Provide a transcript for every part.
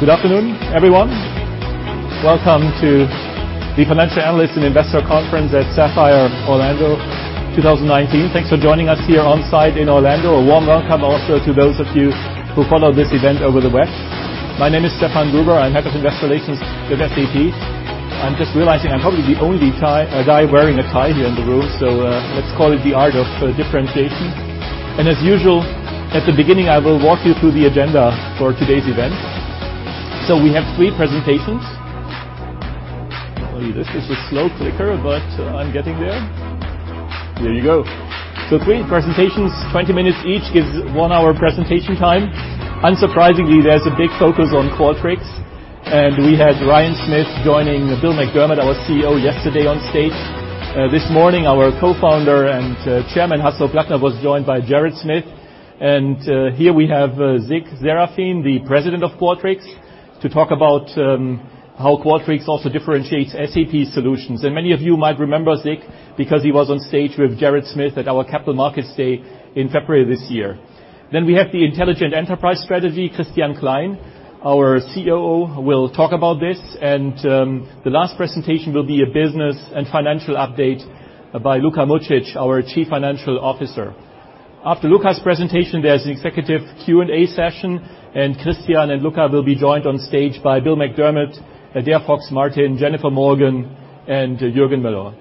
Good afternoon, everyone. Welcome to the Financial Analyst and Investor Conference at SAP Sapphire Orlando 2019. Thanks for joining us here on-site in Orlando. A warm welcome also to those of you who follow this event over the web. My name is Stefan Gruber. I'm head of investor relations with SAP. I'm just realizing I'm probably the only guy wearing a tie here in the room, let's call it the art of differentiation. As usual, at the beginning, I will walk you through the agenda for today's event. We have three presentations. Apparently, this is a slow clicker, but I'm getting there. There you go. Three presentations, 20 minutes each, gives one hour presentation time. Unsurprisingly, there's a big focus on Qualtrics. We had Ryan Smith joining Bill McDermott, our CEO, yesterday on stage. This morning, our co-founder and chairman, Hasso Plattner, was joined by Jared Smith. Here we have Zig Serafin, the president of Qualtrics, to talk about how Qualtrics also differentiates SAP solutions. Many of you might remember Zig because he was on stage with Jared Smith at our Capital Markets Day in February this year. We have the intelligent enterprise strategy. Christian Klein, our COO, will talk about this. The last presentation will be a business and financial update by Luka Mucic, our chief financial officer. After Luka's presentation, there's an executive Q&A session. Christian and Luka will be joined on stage by Bill McDermott, Adaire Fox-Martin, Jennifer Morgan, and Juergen Mueller.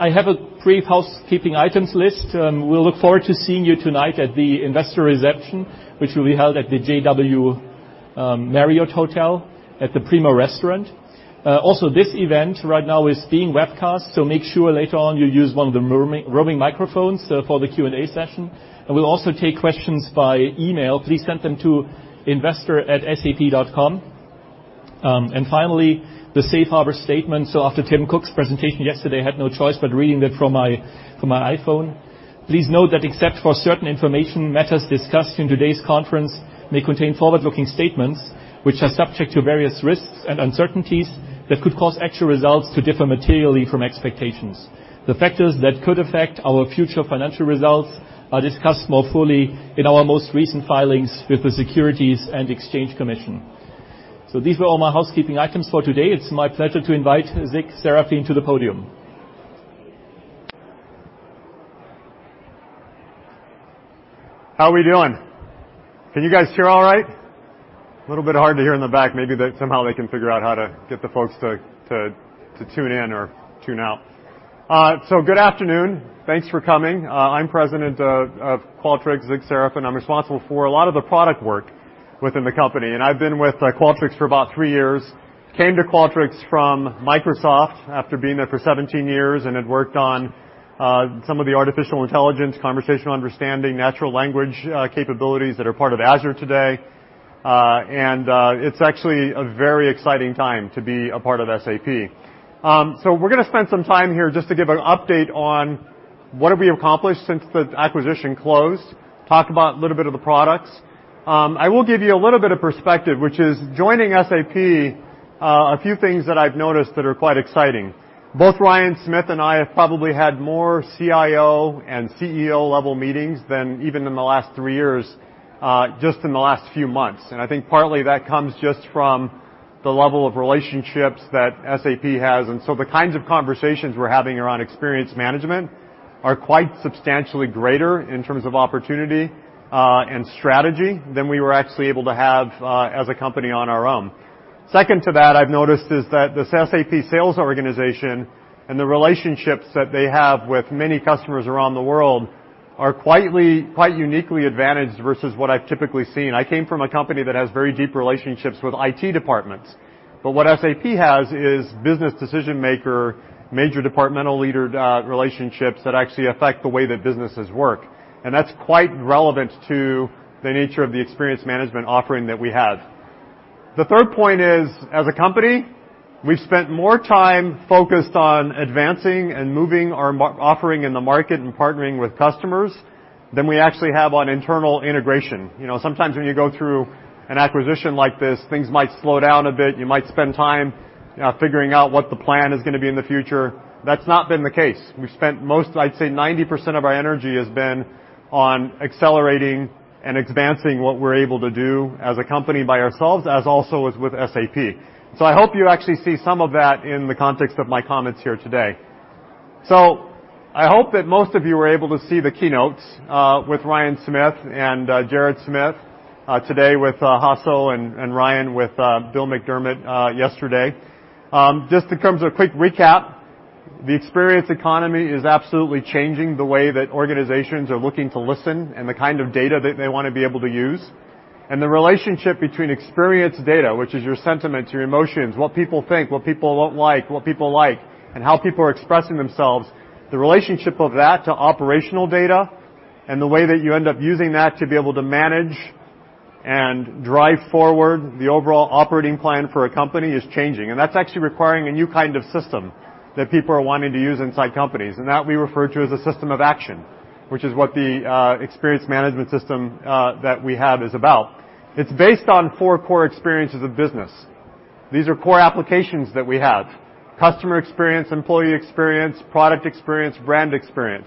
I have a brief housekeeping items list. We'll look forward to seeing you tonight at the investor reception, which will be held at the JW Marriott Hotel at the Primo restaurant. Also, this event right now is being webcast, make sure later on you use one of the roaming microphones for the Q&A session. We'll also take questions by email. Please send them to investor@sap.com. Finally, the safe harbor statement. After Tim Cook's presentation yesterday, I had no choice but reading it from my iPhone. Please note that except for certain information, matters discussed in today's conference may contain forward-looking statements, which are subject to various risks and uncertainties that could cause actual results to differ materially from expectations. The factors that could affect our future financial results are discussed more fully in our most recent filings with the Securities and Exchange Commission. These were all my housekeeping items for today. It's my pleasure to invite Zig Serafin to the podium. How are we doing? Can you guys hear all right? Little bit hard to hear in the back. Maybe somehow they can figure out how to get the folks to tune in or tune out. Good afternoon. Thanks for coming. I'm president of Qualtrics, Zig Serafin. I'm responsible for a lot of the product work within the company. I've been with Qualtrics for about three years. Came to Qualtrics from Microsoft after being there for 17 years and had worked on some of the artificial intelligence, conversational understanding, natural language capabilities that are part of Azure today. It's actually a very exciting time to be a part of SAP. We're going to spend some time here just to give an update on what have we accomplished since the acquisition closed, talk about a little bit of the products. I will give you a little bit of perspective, which is joining SAP, a few things that I've noticed that are quite exciting. Both Ryan Smith and I have probably had more CIO and CEO-level meetings than even in the last three years, just in the last few months. I think partly that comes just from the level of relationships that SAP has. The kinds of conversations we're having around experience management are quite substantially greater in terms of opportunity and strategy than we were actually able to have as a company on our own. Second to that, I've noticed is that the SAP sales organization and the relationships that they have with many customers around the world are quite uniquely advantaged versus what I've typically seen. I came from a company that has very deep relationships with IT departments. What SAP has is business decision maker, major departmental leader relationships that actually affect the way that businesses work, and that's quite relevant to the nature of the experience management offering that we have. The third point is, as a company, we've spent more time focused on advancing and moving our offering in the market and partnering with customers than we actually have on internal integration. Sometimes when you go through an acquisition like this, things might slow down a bit. You might spend time figuring out what the plan is going to be in the future. That's not been the case. We've spent most, I'd say 90% of our energy, has been on accelerating and advancing what we're able to do as a company by ourselves, as also as with SAP. I hope you actually see some of that in the context of my comments here today. I hope that most of you were able to see the keynotes, with Ryan Smith and Jared Smith today, with Hasso and Ryan with Bill McDermott yesterday. Just in terms of a quick recap, the experience economy is absolutely changing the way that organizations are looking to listen and the kind of data that they want to be able to use. The relationship between experience data, which is your sentiments, your emotions, what people think, what people won't like, what people like, and how people are expressing themselves. The relationship of that to operational data and the way that you end up using that to be able to manage and drive forward the overall operating plan for a company is changing. That's actually requiring a new kind of system that people are wanting to use inside companies. That we refer to as a system of action, which is what the experience management system that we have is about. It's based on four core experiences of business. These are core applications that we have: customer experience, employee experience, product experience, brand experience.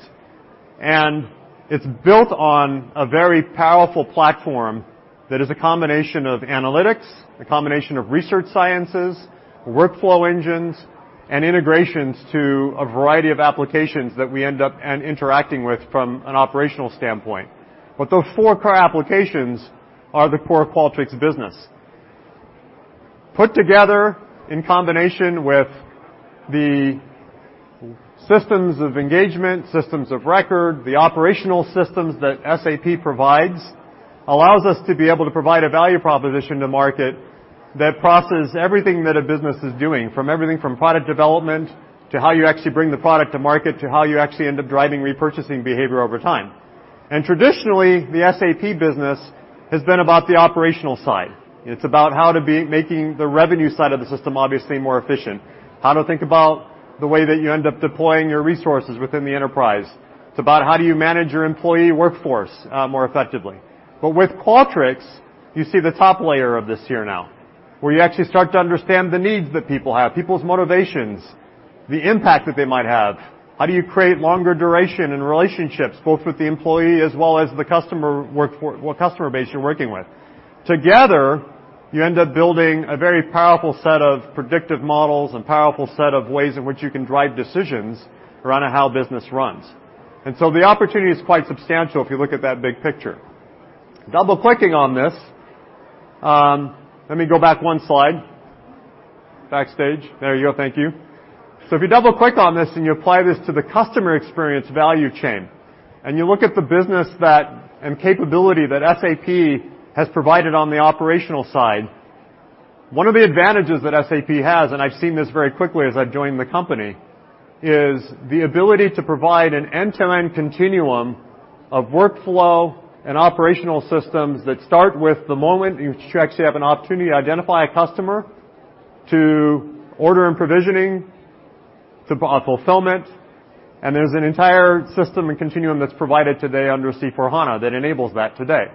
It's built on a very powerful platform that is a combination of analytics, a combination of research sciences, workflow engines, and integrations to a variety of applications that we end up interacting with from an operational standpoint. Those four core applications are the core of Qualtrics business. Put together in combination with the systems of engagement, systems of record, the operational systems that SAP provides, allows us to be able to provide a value proposition to market that processes everything that a business is doing, from everything from product development to how you actually bring the product to market, to how you actually end up driving repurchasing behavior over time. Traditionally, the SAP business has been about the operational side. It's about how to be making the revenue side of the system obviously more efficient, how to think about the way that you end up deploying your resources within the enterprise. It's about how do you manage your employee workforce more effectively. With Qualtrics, you see the top layer of this here now, where you actually start to understand the needs that people have, people's motivations, the impact that they might have. How do you create longer duration in relationships, both with the employee as well as the customer base you're working with? Together, you end up building a very powerful set of predictive models and powerful set of ways in which you can drive decisions around how business runs. The opportunity is quite substantial if you look at that big picture. Double-clicking on this. Let me go back one slide. Backstage. There you go. Thank you. If you double-click on this and you apply this to the customer experience value chain, you look at the business and capability that SAP has provided on the operational side, one of the advantages that SAP has, and I've seen this very quickly as I've joined the company, is the ability to provide an end-to-end continuum of workflow and operational systems that start with the moment you actually have an opportunity to identify a customer, to order and provisioning, to fulfillment, there's an entire system and continuum that's provided today under C/4HANA that enables that today.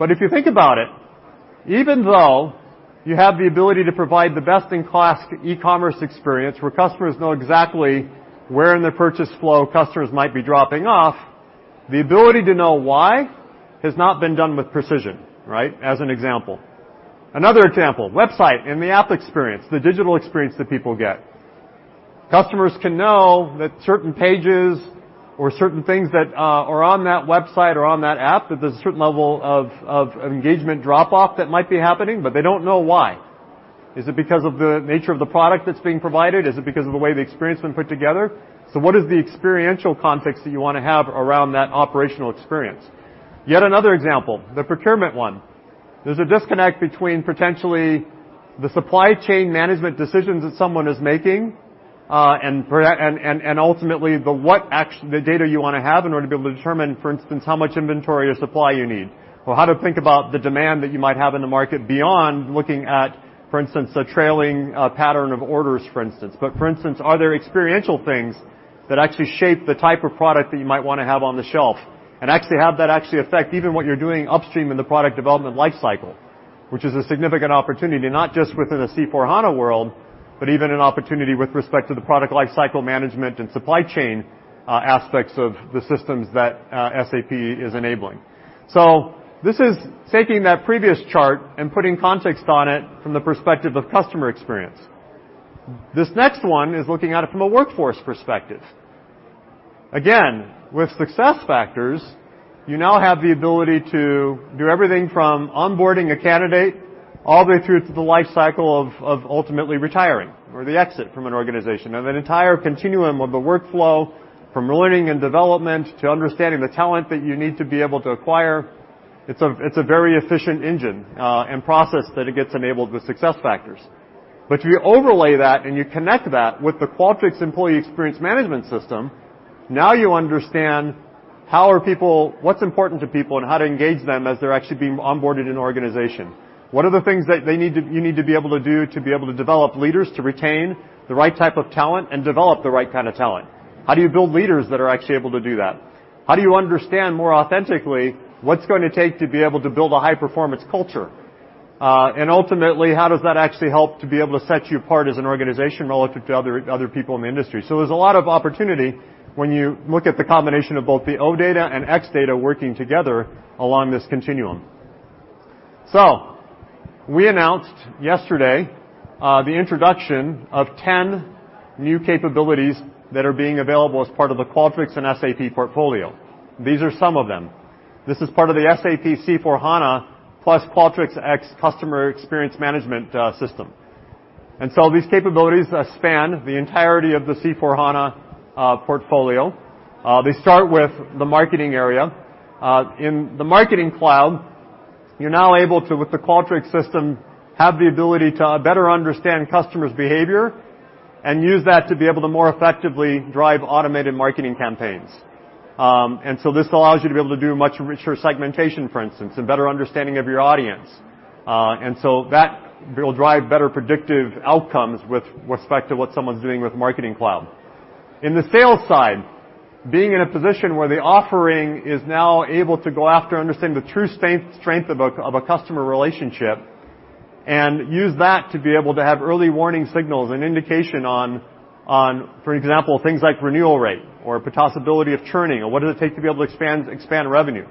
If you think about it, even though you have the ability to provide the best-in-class e-commerce experience where customers know exactly where in the purchase flow customers might be dropping off, the ability to know why has not been done with precision, right? As an example. Another example, website and the app experience, the digital experience that people get. Customers can know that certain pages or certain things that are on that website or on that app, that there's a certain level of engagement drop-off that might be happening, but they don't know why. Is it because of the nature of the product that's being provided? Is it because of the way the experience has been put together? What is the experiential context that you want to have around that operational experience? Yet another example, the procurement one. There's a disconnect between potentially the supply chain management decisions that someone is making, and ultimately the data you want to have in order to be able to determine, for instance, how much inventory or supply you need, or how to think about the demand that you might have in the market beyond looking at, for instance, a trailing pattern of orders, for instance. But for instance, are there experiential things that actually shape the type of product that you might want to have on the shelf and actually have that actually affect even what you're doing upstream in the product development life cycle, which is a significant opportunity, not just within a C/4HANA world, but even an opportunity with respect to the product life cycle management and supply chain aspects of the systems that SAP is enabling. This is taking that previous chart and putting context on it from the perspective of customer experience. This next one is looking at it from a workforce perspective. Again, with SuccessFactors, you now have the ability to do everything from onboarding a candidate all the way through to the life cycle of ultimately retiring or the exit from an organization. An entire continuum of the workflow, from learning and development to understanding the talent that you need to be able to acquire. It's a very efficient engine and process that it gets enabled with SuccessFactors. But you overlay that and you connect that with the Qualtrics employee experience management system, now you understand what's important to people and how to engage them as they're actually being onboarded in an organization. What are the things that you need to be able to do to be able to develop leaders to retain the right type of talent and develop the right kind of talent? How do you build leaders that are actually able to do that? How do you understand more authentically what it's going to take to be able to build a high-performance culture? Ultimately, how does that actually help to be able to set you apart as an organization relative to other people in the industry? There's a lot of opportunity when you look at the combination of both the OData and XData working together along this continuum. We announced yesterday, the introduction of 10 new capabilities that are being available as part of the Qualtrics and SAP portfolio. These are some of them. This is part of the SAP C/4HANA plus Qualtrics XM customer experience management system. These capabilities span the entirety of the C/4HANA portfolio. They start with the marketing area. In the Marketing Cloud, you're now able to, with the Qualtrics system, have the ability to better understand customers' behavior and use that to be able to more effectively drive automated marketing campaigns. This allows you to be able to do much richer segmentation, for instance, and better understanding of your audience. that will drive better predictive outcomes with respect to what someone's doing with Marketing Cloud. In the sales side, being in a position where the offering is now able to go after understanding the true strength of a customer relationship and use that to be able to have early warning signals and indication on, for example, things like renewal rate or possibility of churning or what does it take to be able to expand revenue.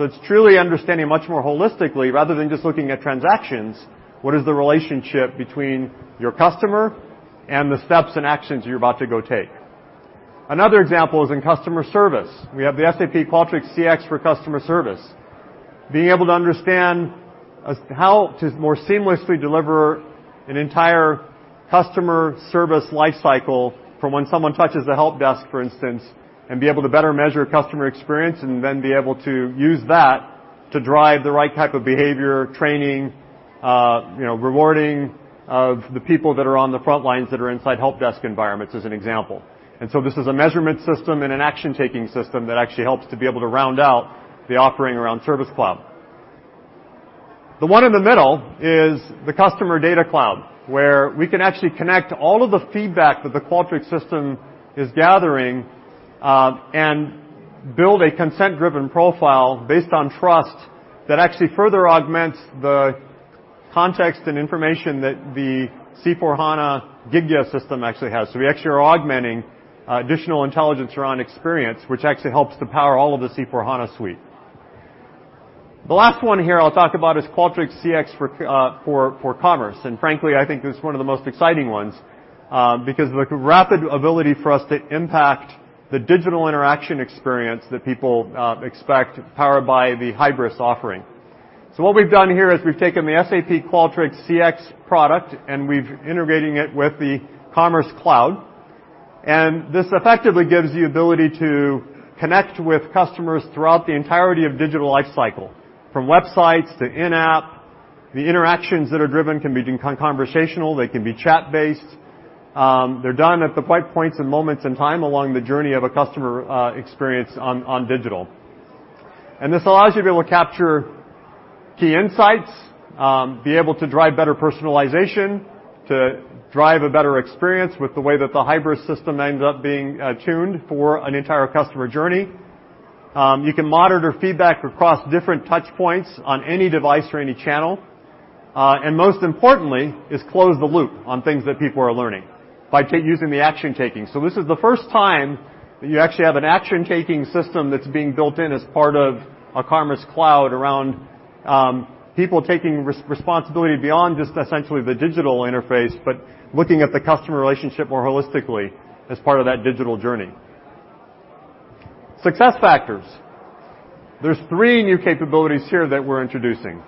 It's truly understanding much more holistically, rather than just looking at transactions, what is the relationship between your customer and the steps and actions you're about to go take? Another example is in customer service. We have the SAP Qualtrics CX for customer service. Being able to understand how to more seamlessly deliver an entire customer service life cycle from when someone touches the help desk, for instance, and be able to better measure customer experience, and then be able to use that to drive the right type of behavior, training, rewarding of the people that are on the front lines that are inside help desk environments, as an example. This is a measurement system and an action-taking system that actually helps to be able to round out the offering around Service Cloud. The one in the middle is the Customer Data Cloud, where we can actually connect all of the feedback that the Qualtrics system is gathering, and build a consent-driven profile based on trust that actually further augments the context and information that the C/4HANA Gigya system actually has. We actually are augmenting additional intelligence around experience, which actually helps to power all of the C/4HANA suite. The last one here I'll talk about is Qualtrics CX for Commerce, and frankly, I think this is one of the most exciting ones, because of the rapid ability for us to impact the digital interaction experience that people expect, powered by the Hybris offering. What we've done here is we've taken the SAP Qualtrics CX product, and we're integrating it with the Commerce Cloud. This effectively gives the ability to connect with customers throughout the entirety of digital life cycle, from websites to in-app. The interactions that are driven can be conversational, they can be chat-based. They're done at the right points and moments in time along the journey of a customer experience on digital. This allows you to be able to capture key insights, be able to drive better personalization, to drive a better experience with the way that the Hybris system ends up being tuned for an entire customer journey. You can monitor feedback across different touch points on any device or any channel. Most importantly is close the loop on things that people are learning by using the action taking. This is the first time that you actually have an action-taking system that's being built in as part of a Commerce Cloud around people taking responsibility beyond just essentially the digital interface, but looking at the customer relationship more holistically as part of that digital journey. SuccessFactors. There's three new capabilities here that we're introducing.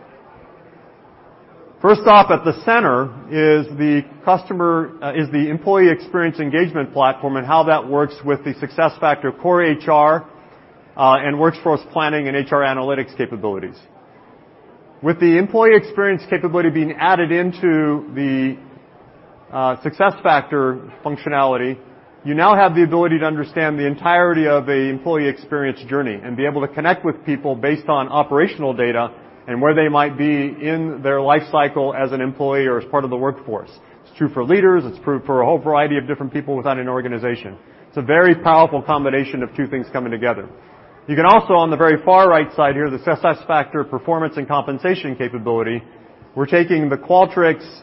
At the center is the employee experience engagement platform and how that works with the SAP SuccessFactors Core HR, and workforce planning and HR analytics capabilities. With the employee experience capability being added into the SAP SuccessFactors functionality, you now have the ability to understand the entirety of an employee experience journey and be able to connect with people based on operational data and where they might be in their life cycle as an employee or as part of the workforce. It is true for leaders, it is true for a whole variety of different people within an organization. It is a very powerful combination of two things coming together. You can also on the very far right side here, the SAP SuccessFactors performance and compensation capability. We are taking the Qualtrics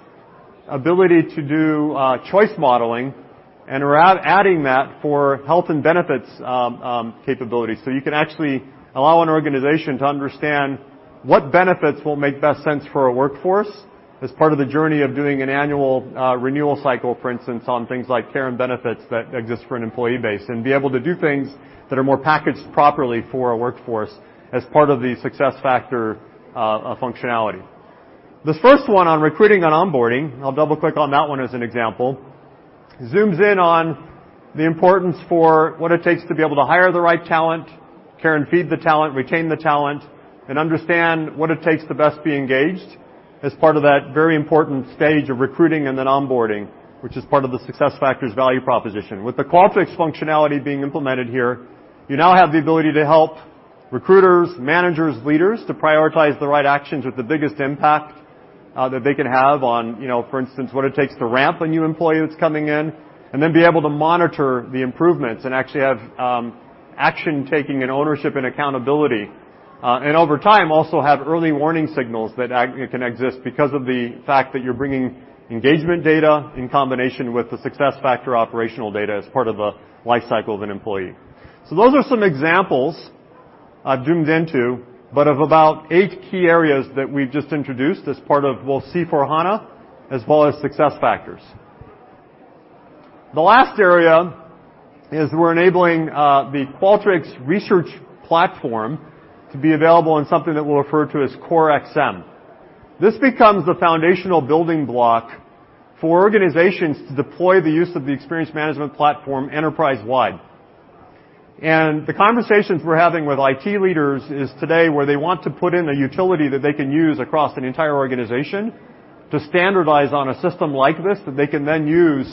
ability to do choice modeling and we are adding that for health and benefits capabilities. You can actually allow an organization to understand what benefits will make best sense for a workforce as part of the journey of doing an annual renewal cycle, for instance, on things like care and benefits that exist for an employee base, and be able to do things that are more packaged properly for a workforce as part of the SAP SuccessFactors functionality. This first one on recruiting and onboarding, I will double-click on that one as an example, zooms in on the importance for what it takes to be able to hire the right talent, care and feed the talent, retain the talent, and understand what it takes to best be engaged as part of that very important stage of recruiting and then onboarding, which is part of the SAP SuccessFactors' value proposition. With the Qualtrics functionality being implemented here, you now have the ability to help recruiters, managers, leaders to prioritize the right actions with the biggest impact that they can have on, for instance, what it takes to ramp a new employee that is coming in, and then be able to monitor the improvements and actually have action taking and ownership and accountability. Over time, also have early warning signals that can exist because of the fact that you are bringing engagement data in combination with the SAP SuccessFactors operational data as part of the life cycle of an employee. Those are some examples I have zoomed into, but of about eight key areas that we have just introduced as part of both SAP C/4HANA as well as SAP SuccessFactors. The last area is we are enabling the Qualtrics research platform to be available on something that we will refer to as CoreXM. This becomes the foundational building block for organizations to deploy the use of the experience management platform enterprise-wide. The conversations we are having with IT leaders is today where they want to put in a utility that they can use across an entire organization to standardize on a system like this that they can then use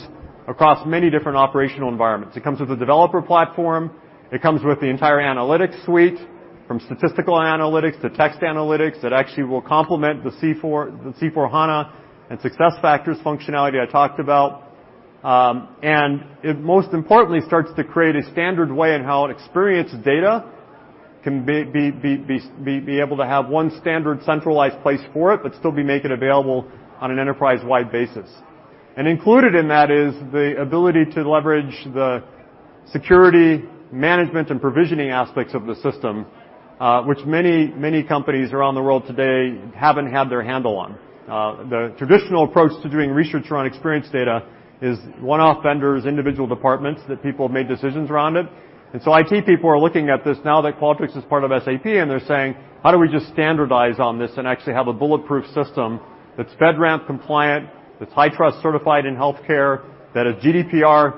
across many different operational environments. It comes with a developer platform, it comes with the entire analytics suite. From statistical analytics to text analytics that actually will complement the SAP C/4HANA and SAP SuccessFactors functionality I talked about. It most importantly starts to create a standard way in how experience data can be able to have one standard centralized place for it, but still be made available on an enterprise-wide basis. Included in that is the ability to leverage the security management and provisioning aspects of the system, which many companies around the world today haven't had their handle on. The traditional approach to doing research around experience data is one-off vendors, individual departments that people have made decisions around it. IT people are looking at this now that Qualtrics is part of SAP, and they're saying, "How do we just standardize on this and actually have a bulletproof system that's FedRAMP compliant, that's HITRUST certified in healthcare, that has GDPR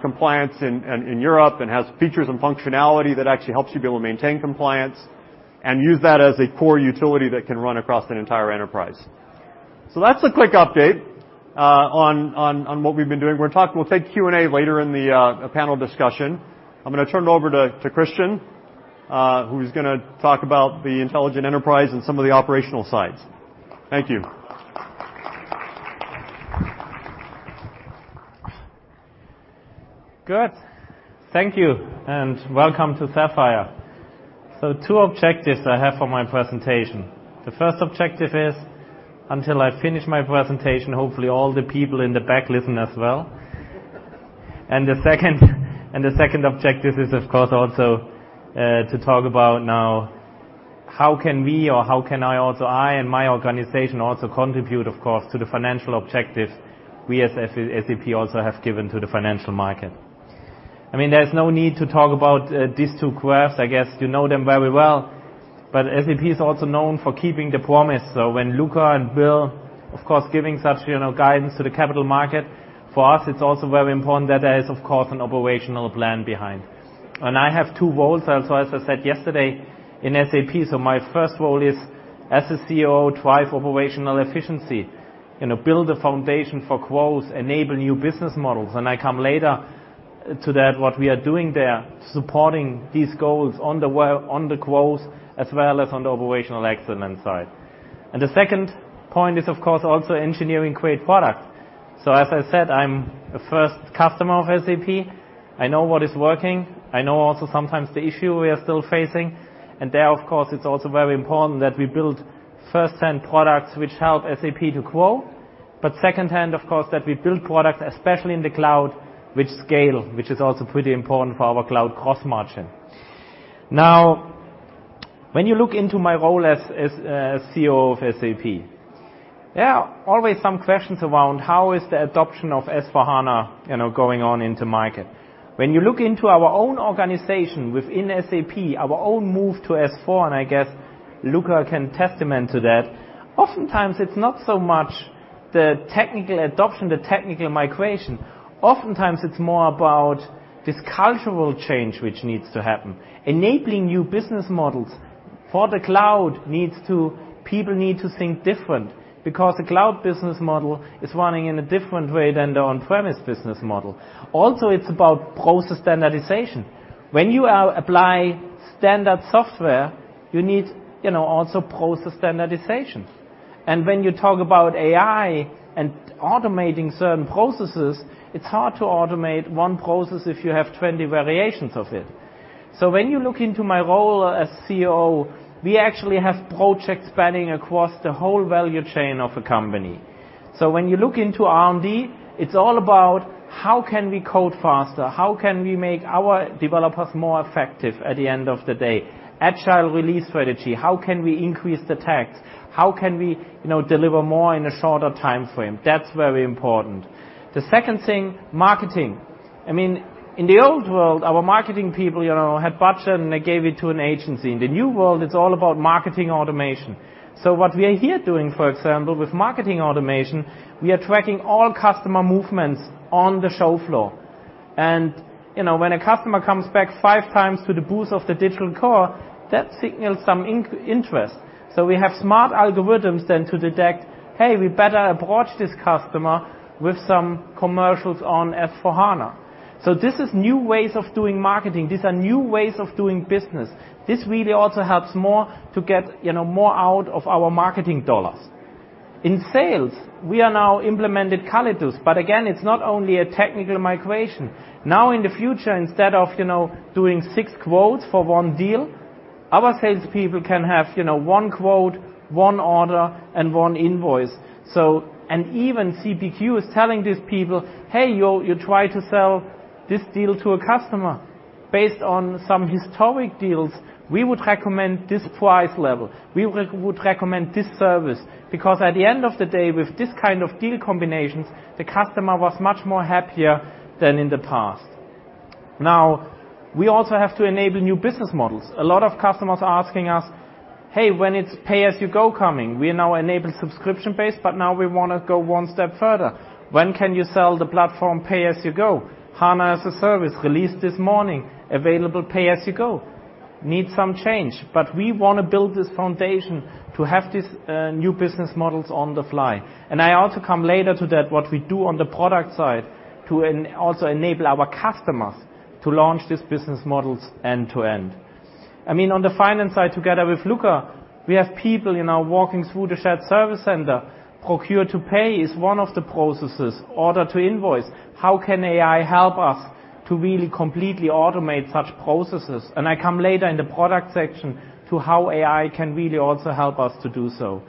compliance in Europe, and has features and functionality that actually helps you be able to maintain compliance, and use that as a core utility that can run across an entire enterprise." That's a quick update on what we've been doing. We'll take Q&A later in the panel discussion. I'm going to turn it over to Christian, who's going to talk about the intelligent enterprise and some of the operational sides. Thank you. Thank you, and welcome to SAP Sapphire. Two objectives I have for my presentation. The first objective is, until I finish my presentation, hopefully all the people in the back listen as well. The second objective is, of course, also to talk about now how can we or how can I also, I and my organization also contribute, of course, to the financial objectives we as SAP also have given to the financial market. There's no need to talk about these two graphs. I guess you know them very well. SAP is also known for keeping the promise. When Luka and Bill, of course, giving such general guidance to the capital market, for us, it's also very important that there is, of course, an operational plan behind. I have two roles, as I said yesterday, in SAP. My first role is as a COO, drive operational efficiency and build a foundation for growth, enable new business models. I come later to that, what we are doing there, supporting these goals on the growth as well as on the operational excellence side. The second point is, of course, also engineering great product. As I said, I'm the first customer of SAP. I know what is working. I know also sometimes the issue we are still facing. There, of course, it's also very important that we build first-hand products which help SAP to grow. But second-hand, of course, that we build products, especially in the cloud, which scale, which is also pretty important for our cloud cost margin. When you look into my role as COO of SAP, there are always some questions around how is the adoption of S/4HANA going on in the market. When you look into our own organization within SAP, our own move to S/4, and I guess Luka can testament to that, oftentimes it's not so much the technical adoption, the technical migration. Oftentimes it's more about this cultural change which needs to happen. Enabling new business models for the cloud, people need to think different because the cloud business model is running in a different way than the on-premise business model. Also, it's about process standardization. When you apply standard software, you need also process standardization. When you talk about AI and automating certain processes, it's hard to automate one process if you have 20 variations of it. When you look into my role as COO, we actually have projects spanning across the whole value chain of a company. When you look into R&D, it's all about how can we code faster? How can we make our developers more effective at the end of the day? Agile release strategy. How can we increase the throughput? How can we deliver more in a shorter timeframe? That's very important. The second thing, marketing. In the old world, our marketing people had budget, they gave it to an agency. In the new world, it's all about marketing automation. What we are here doing, for example, with marketing automation, we are tracking all customer movements on the show floor. When a customer comes back five times to the booth of the digital core, that signals some interest. We have smart algorithms then to detect, hey, we better approach this customer with some commercials on S/4HANA. This is new ways of doing marketing. These are new ways of doing business. This really also helps more to get more out of our marketing dollars. In sales, we are now implemented Callidus, but again, it's not only a technical migration. In the future, instead of doing six quotes for one deal, our salespeople can have one quote, one order, and one invoice. Even CPQ is telling these people, "Hey, you try to sell this deal to a customer based on some historic deals. We would recommend this price level. We would recommend this service." Because at the end of the day, with this kind of deal combinations, the customer was much more happier than in the past. We also have to enable new business models. A lot of customers are asking us, "Hey, when it's pay-as-you-go coming? We now enable subscription-based, but now we want to go one step further. When can you sell the platform pay-as-you-go?" HANA as a service, released this morning, available pay-as-you-go. Need some change. We want to build this foundation to have these new business models on the fly. I also come later to that what we do on the product side to also enable our customers to launch these business models end-to-end. On the finance side, together with Luka, we have people now walking through the shared service center. Procure to pay is one of the processes. Order to invoice. How can AI help us to really completely automate such processes? I come later in the product section to how AI can really also help us to do so.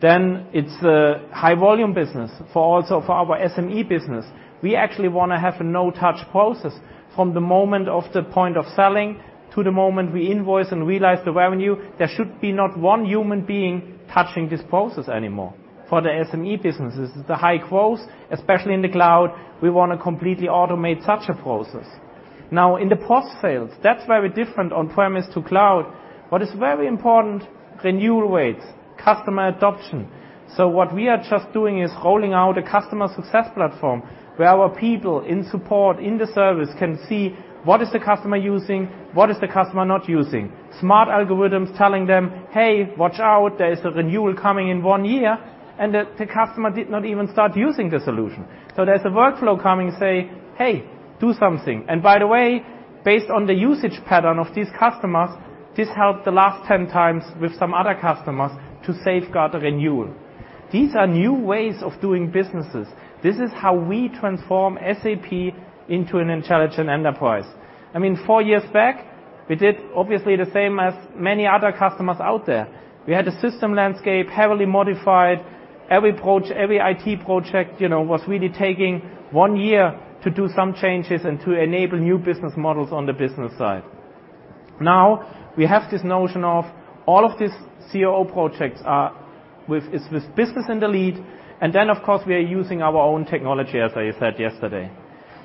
It's the high volume business. For our SME business, we actually want to have a no touch process from the moment of the point of selling to the moment we invoice and realize the revenue. There should be not one human being touching this process anymore. For the SME businesses, the high growth, especially in the cloud, we want to completely automate such a process. Now, in the post sales, that's very different on premise to cloud. What is very important, renewal rates, customer adoption. What we are just doing is rolling out a customer success platform where our people in support, in the service, can see what is the customer using, what is the customer not using. Smart algorithms telling them, "Hey, watch out. There is a renewal coming in one year," and the customer did not even start using the solution. There's a workflow coming say, "Hey, do something." By the way, based on the usage pattern of these customers, this helped the last 10 times with some other customers to safeguard a renewal. These are new ways of doing businesses. This is how we transform SAP into an intelligent enterprise. Four years back, we did actually the same as many other customers out there. We had a system landscape heavily modified. Every IT project was really taking one year to do some changes and to enable new business models on the business side. Now, we have this notion of all of these COO projects are with business in the lead, and then of course, we are using our own technology, as I said yesterday.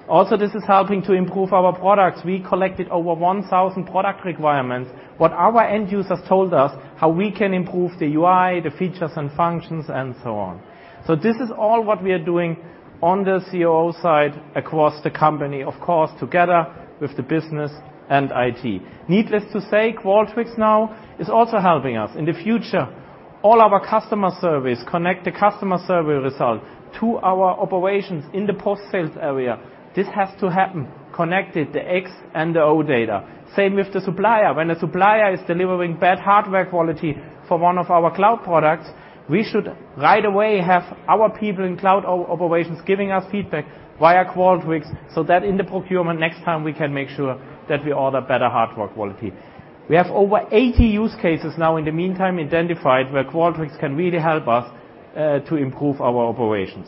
Also, this is helping to improve our products. We collected over 1,000 product requirements. What our end users told us, how we can improve the UI, the features and functions, and so on. This is all what we are doing on the COO side across the company, of course, together with the business and IT. Needless to say, Qualtrics now is also helping us. In the future, all our customer surveys connect the customer survey result to our operations in the post-sales area. This has to happen, connected, the XData and the OData. Same with the supplier. When a supplier is delivering bad hardware quality for one of our cloud products, we should right away have our people in cloud operations giving us feedback via Qualtrics so that in the procurement next time, we can make sure that we order better hardware quality. We have over 80 use cases now in the meantime identified where Qualtrics can really help us to improve our operations.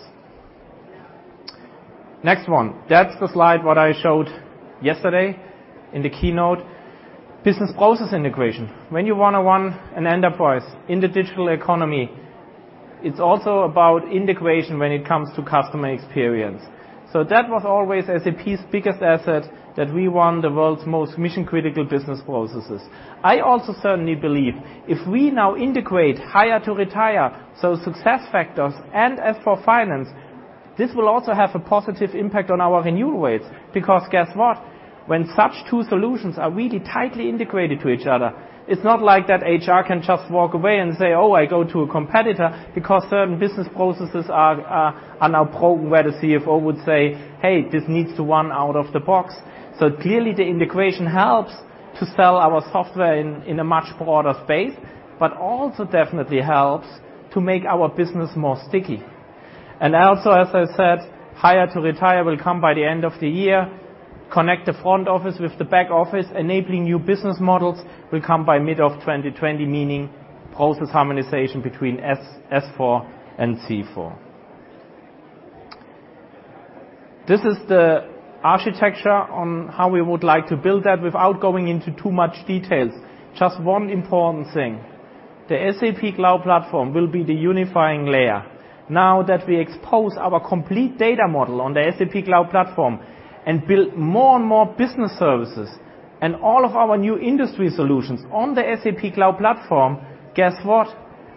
Next one. That's the slide what I showed yesterday in the keynote. Business process integration. When you want to run an enterprise in the digital economy, it's also about integration when it comes to customer experience. That was always SAP's biggest asset, that we run the world's most mission-critical business processes. I also certainly believe if we now integrate hire to retire, SAP SuccessFactors and S/4 finance, this will also have a positive impact on our renewal rates, because guess what? When such two solutions are really tightly integrated to each other, it's not like that HR can just walk away and say, "Oh, I go to a competitor," because certain business processes are now programmed where the CFO would say, "Hey, this needs to run out of the box." Clearly the integration helps to sell our software in a much broader space, but also definitely helps to make our business more sticky. Also, as I said, hire to retire will come by the end of the year. Connect the front office with the back office, enabling new business models, will come by mid of 2020, meaning process harmonization between S/4 and C/4. This is the architecture on how we would like to build that without going into too much details. Just one important thing. The SAP Cloud Platform will be the unifying layer. That we expose our complete data model on the SAP Cloud Platform and build more and more business services and all of our new industry solutions on the SAP Cloud Platform, guess what?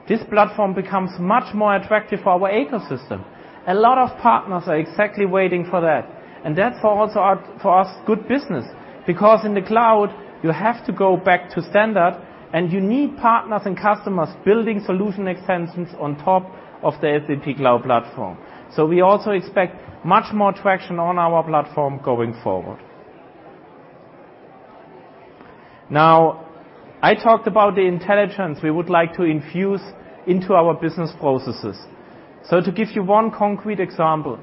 This platform becomes much more attractive for our ecosystem. A lot of partners are exactly waiting for that, and that's also for us good business, because in the cloud, you have to go back to standard, and you need partners and customers building solution extensions on top of the SAP Cloud Platform. We also expect much more traction on our platform going forward. I talked about the intelligence we would like to infuse into our business processes. To give you one concrete example,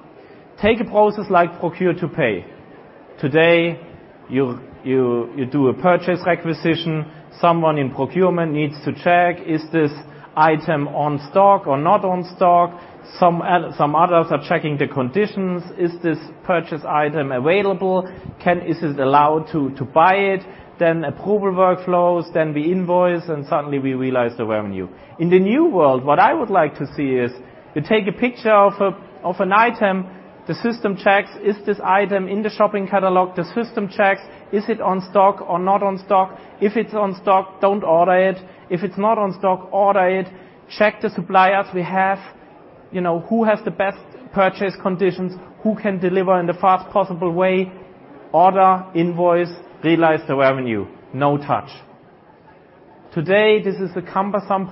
take a process like procure to pay. Today, you do a purchase requisition. Someone in procurement needs to check, is this item on stock or not on stock? Some others are checking the conditions. Is this purchase item available? Is it allowed to buy it? Approval workflows. We invoice, and suddenly we realize the revenue. In the new world, what I would like to see is, you take a picture of an item. The system checks, is this item in the shopping catalog? The system checks, is it on stock or not on stock? If it's on stock, don't order it. If it's not on stock, order it. Check the suppliers we have. Who has the best purchase conditions? Who can deliver in the fast possible way? Order, invoice, realize the revenue. No touch. Today, this is a cumbersome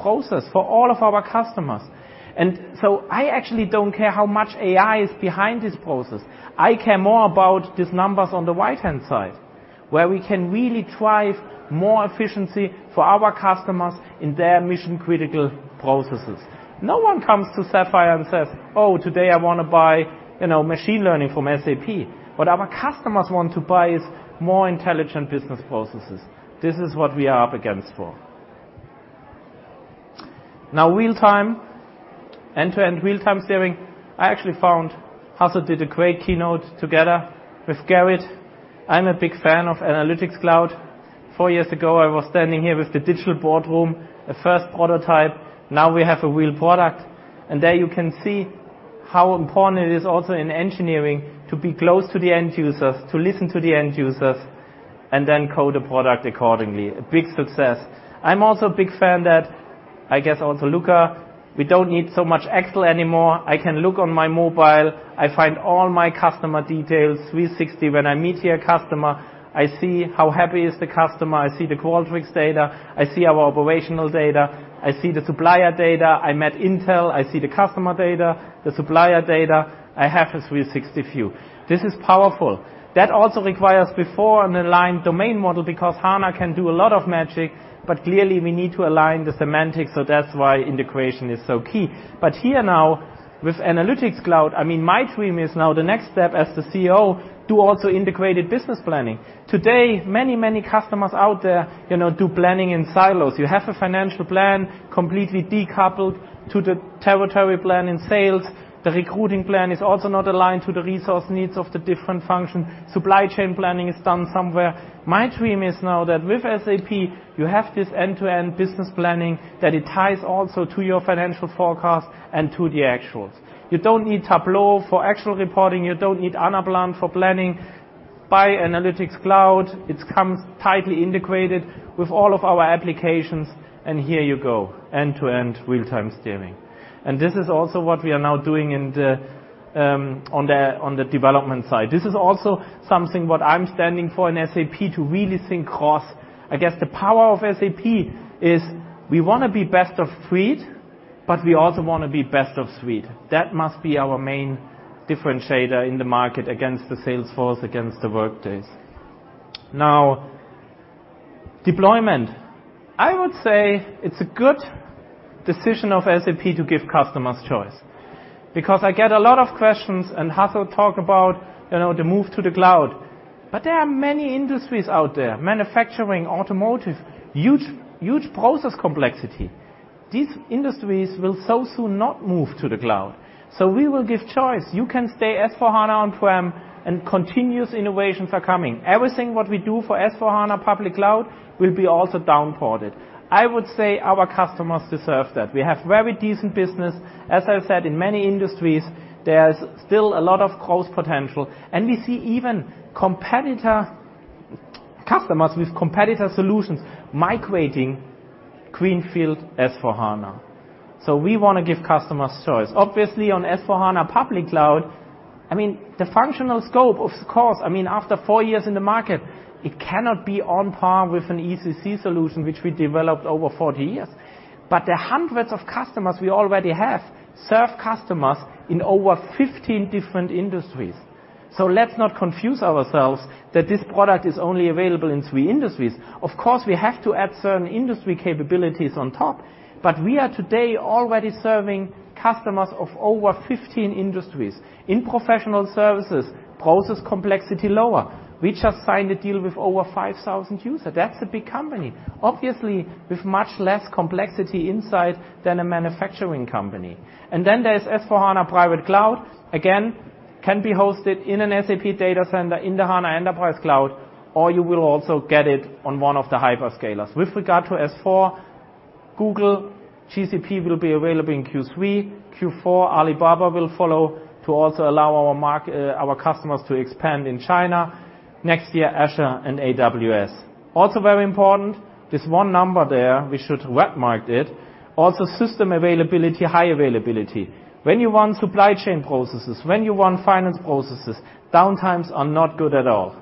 process for all of our customers. I actually don't care how much AI is behind this process. I care more about these numbers on the right-hand side, where we can really drive more efficiency for our customers in their mission-critical processes. No one comes to Sapphire and says, "Oh, today I want to buy machine learning from SAP." What our customers want to buy is more intelligent business processes. This is what we are up against for. Real-time, end-to-end real-time steering. I actually found Hasso did a great keynote together with Jared. I'm a big fan of Analytics Cloud. Four years ago, I was standing here with the digital boardroom, a first prototype. We have a real product, and there you can see how important it is also in engineering to be close to the end users, to listen to the end users, and then code a product accordingly. A big success. I'm also a big fan that, I guess also Luka, we don't need so much Excel anymore. I can look on my mobile. I find all my customer details, 360. When I meet here a customer, I see how happy is the customer. I see the Qualtrics data. I see our operational data. I see the supplier data. I'm at Intel, I see the customer data, the supplier data. I have a 360 view. This is powerful. That also requires before an aligned domain model because HANA can do a lot of magic, but clearly, we need to align the semantics, so that's why integration is so key. Here now with Analytics Cloud, my dream is now the next step as the CEO, You don't need Tableau for actual reporting. You don't need Anaplan for planning. By Analytics Cloud, it comes tightly integrated with all of our applications, and here you go, end-to-end real-time steering. This is also what we are now doing on the development side. This is also something what I'm standing for in SAP to really think cross. I guess the power of SAP is we want to be best of breed, but we also want to be best of suite. Obviously, on S/4HANA Public Cloud, the functional scope, of course, after four years in the market, it cannot be on par with an ECC solution, which we developed over 40 years. The hundreds of customers we already have serve customers in over 15 different industries. Let's not confuse ourselves that this product is only available in three industries. Of course, we have to add certain industry capabilities on top, but we are today already serving customers of over 15 industries. In professional services, process complexity lower. We just signed a deal with over 5,000 user. That's a big company, obviously with much less complexity inside than a manufacturing company. Then there's S/4HANA Private Cloud. Again, can be hosted in an SAP data center in the HANA Enterprise Cloud, or you will also get it on one of the hyperscalers. With regard to S/4HANA, Google GCP will be available in Q3. Q4, Alibaba will follow to also allow our customers to expand in China. Next year, Azure and AWS. Also very important, this one number there, we should red mark it. Also system availability, high availability. When you run supply chain processes, when you run finance processes, downtimes are not good at all.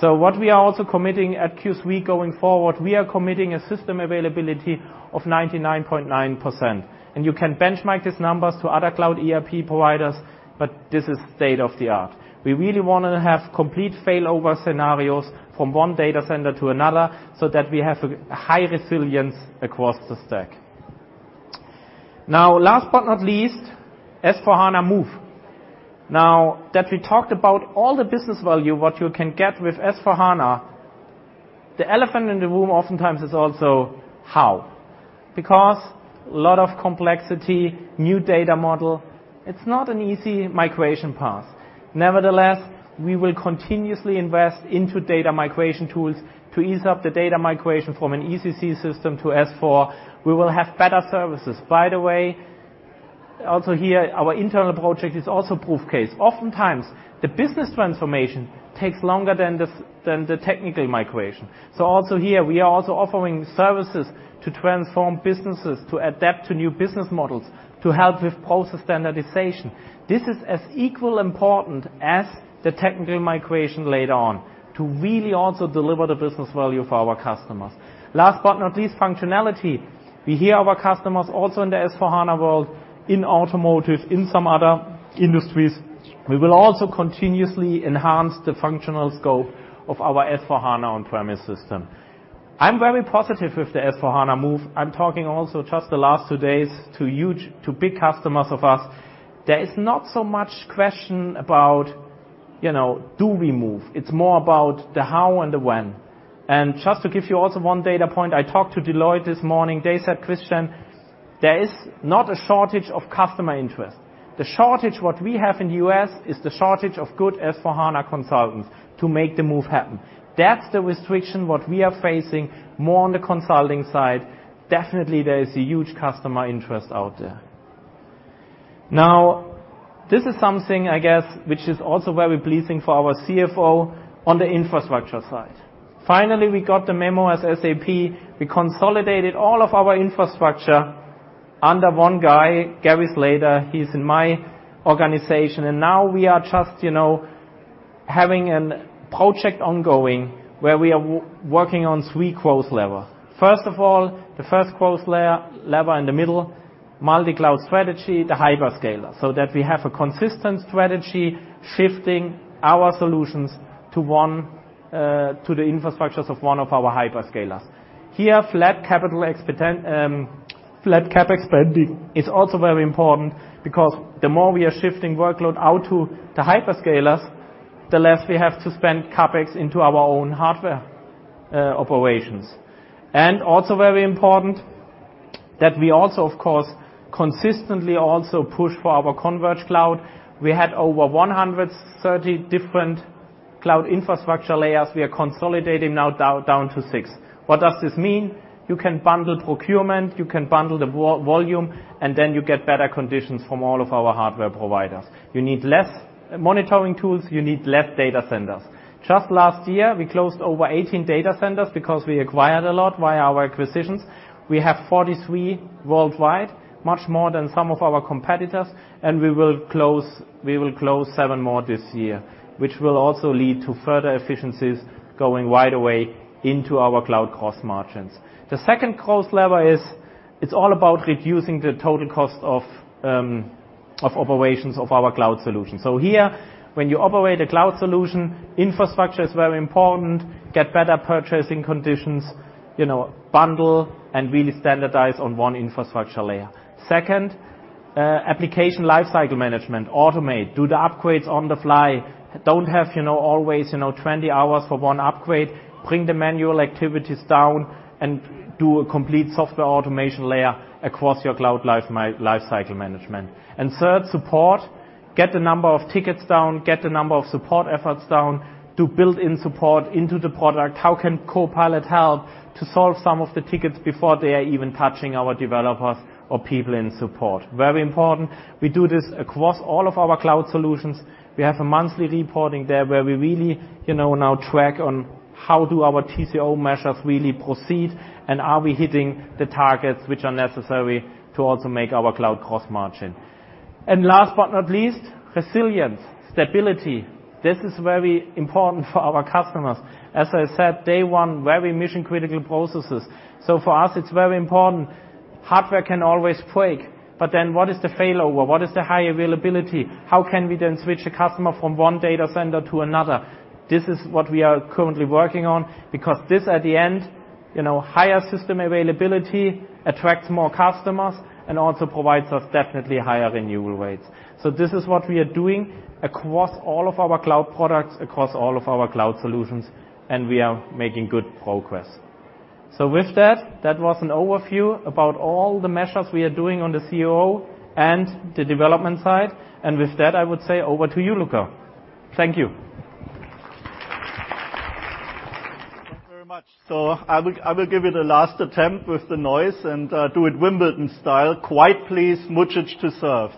What we are also committing at Q3 going forward, we are committing a system availability of 99.9%. You can benchmark these numbers to other cloud ERP providers, but this is state-of-the-art. We really want to have complete failover scenarios from one data center to another, so that we have a high resilience across the stack. Last but not least, S/4HANA move. Now that we talked about all the business value, what you can get with S/4HANA, the elephant in the room oftentimes is also how. Because a lot of complexity, new data model, it's not an easy migration path. Nevertheless, we will continuously invest into data migration tools to ease up the data migration from an ECC system to S/4HANA. We will have better services. By the way, also here, our internal project is also proof case. Oftentimes, the business transformation takes longer than the technical migration. Also here, we are also offering services to transform businesses, to adapt to new business models, to help with process standardization. This is as equally important as the technical migration later on to really also deliver the business value for our customers. Last but not least, functionality. We hear our customers also in the S/4HANA world, in automotive, in some other industries. We will also continuously enhance the functional scope of our S/4HANA on-premise system. I'm very positive with the S/4HANA move. I'm talking also just the last two days to big customers of us. There is not so much question about, do we move? It's more about the how and the when. Just to give you also one data point, I talked to Deloitte this morning. They said, "Christian, there is not a shortage of customer interest. The shortage what we have in the U.S. is the shortage of good S/4HANA consultants to make the move happen." That's the restriction what we are facing more on the consulting side. Definitely, there is a huge customer interest out there. This is something, I guess, which is also very pleasing for our CFO on the infrastructure side. Finally, we got the memo as SAP. We consolidated all of our infrastructure under one guy, Gary Slater. He's in my organization. Now we are just having a project ongoing where we are working on three growth lever. First of all, the first growth lever in the middle, multi-cloud strategy, the hyperscaler, so that we have a consistent strategy shifting our solutions to the infrastructures of one of our hyperscalers. Here, flat CapEx spending is also very important because the more we are shifting workload out to the hyperscalers, the less we have to spend CapEx into our own hardware operations. Also very important, that we also, of course, consistently also push for our converged cloud. We had over 130 different cloud infrastructure layers. We are consolidating now down to six. What does this mean? You can bundle procurement, you can bundle the volume. You get better conditions from all of our hardware providers. You need less monitoring tools. You need less data centers. Just last year, we closed over 18 data centers because we acquired a lot via our acquisitions. We have 43 worldwide, much more than some of our competitors, and we will close 7 more this year, which will also lead to further efficiencies going right away into our cloud cost margins. The second cost lever is, it is all about reducing the total cost of operations of our cloud solution. Here, when you operate a cloud solution, infrastructure is very important, get better purchasing conditions, bundle, and really standardize on one infrastructure layer. Second, application lifecycle management, automate, do the upgrades on the fly, do not have always 20 hours for one upgrade, bring the manual activities down, and do a complete software automation layer across your cloud lifecycle management. Third, support, get the number of tickets down, get the number of support efforts down to build in support into the product. How can CoPilot help to solve some of the tickets before they are even touching our developers or people in support? Very important. We do this across all of our cloud solutions. We have a monthly reporting there where we really now track on how do our TCO measures really proceed, and are we hitting the targets which are necessary to also make our cloud cost margin. Last but not least, resilience, stability. This is very important for our customers. As I said, day one, very mission-critical processes. For us, it is very important. Hardware can always break, but what is the failover? What is the high availability? How can we then switch a customer from one data center to another? This is what we are currently working on, because this at the end, higher system availability attracts more customers and also provides us definitely higher renewal rates. This is what we are doing across all of our cloud products, across all of our cloud solutions, and we are making good progress. With that was an overview about all the measures we are doing on the COO and the development side. With that, I would say over to you, Luka. Thank you. Thank you very much. I will give it a last attempt with the noise and do it Wimbledon style. Quiet, please. Much to serve.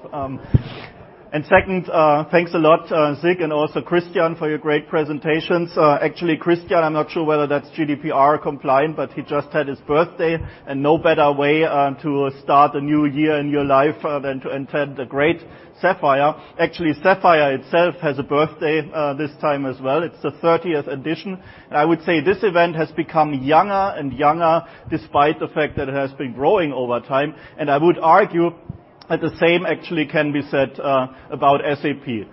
Second, thanks a lot, Zig and also Christian, for your great presentations. Actually, Christian, I am not sure whether that is GDPR compliant, but he just had his birthday and no better way to start a new year in your life than to attend a great Sapphire. Actually, Sapphire itself has a birthday this time as well. It is the 30th edition. I would say this event has become younger and younger despite the fact that it has been growing over time. I would argue that the same actually can be said about SAP.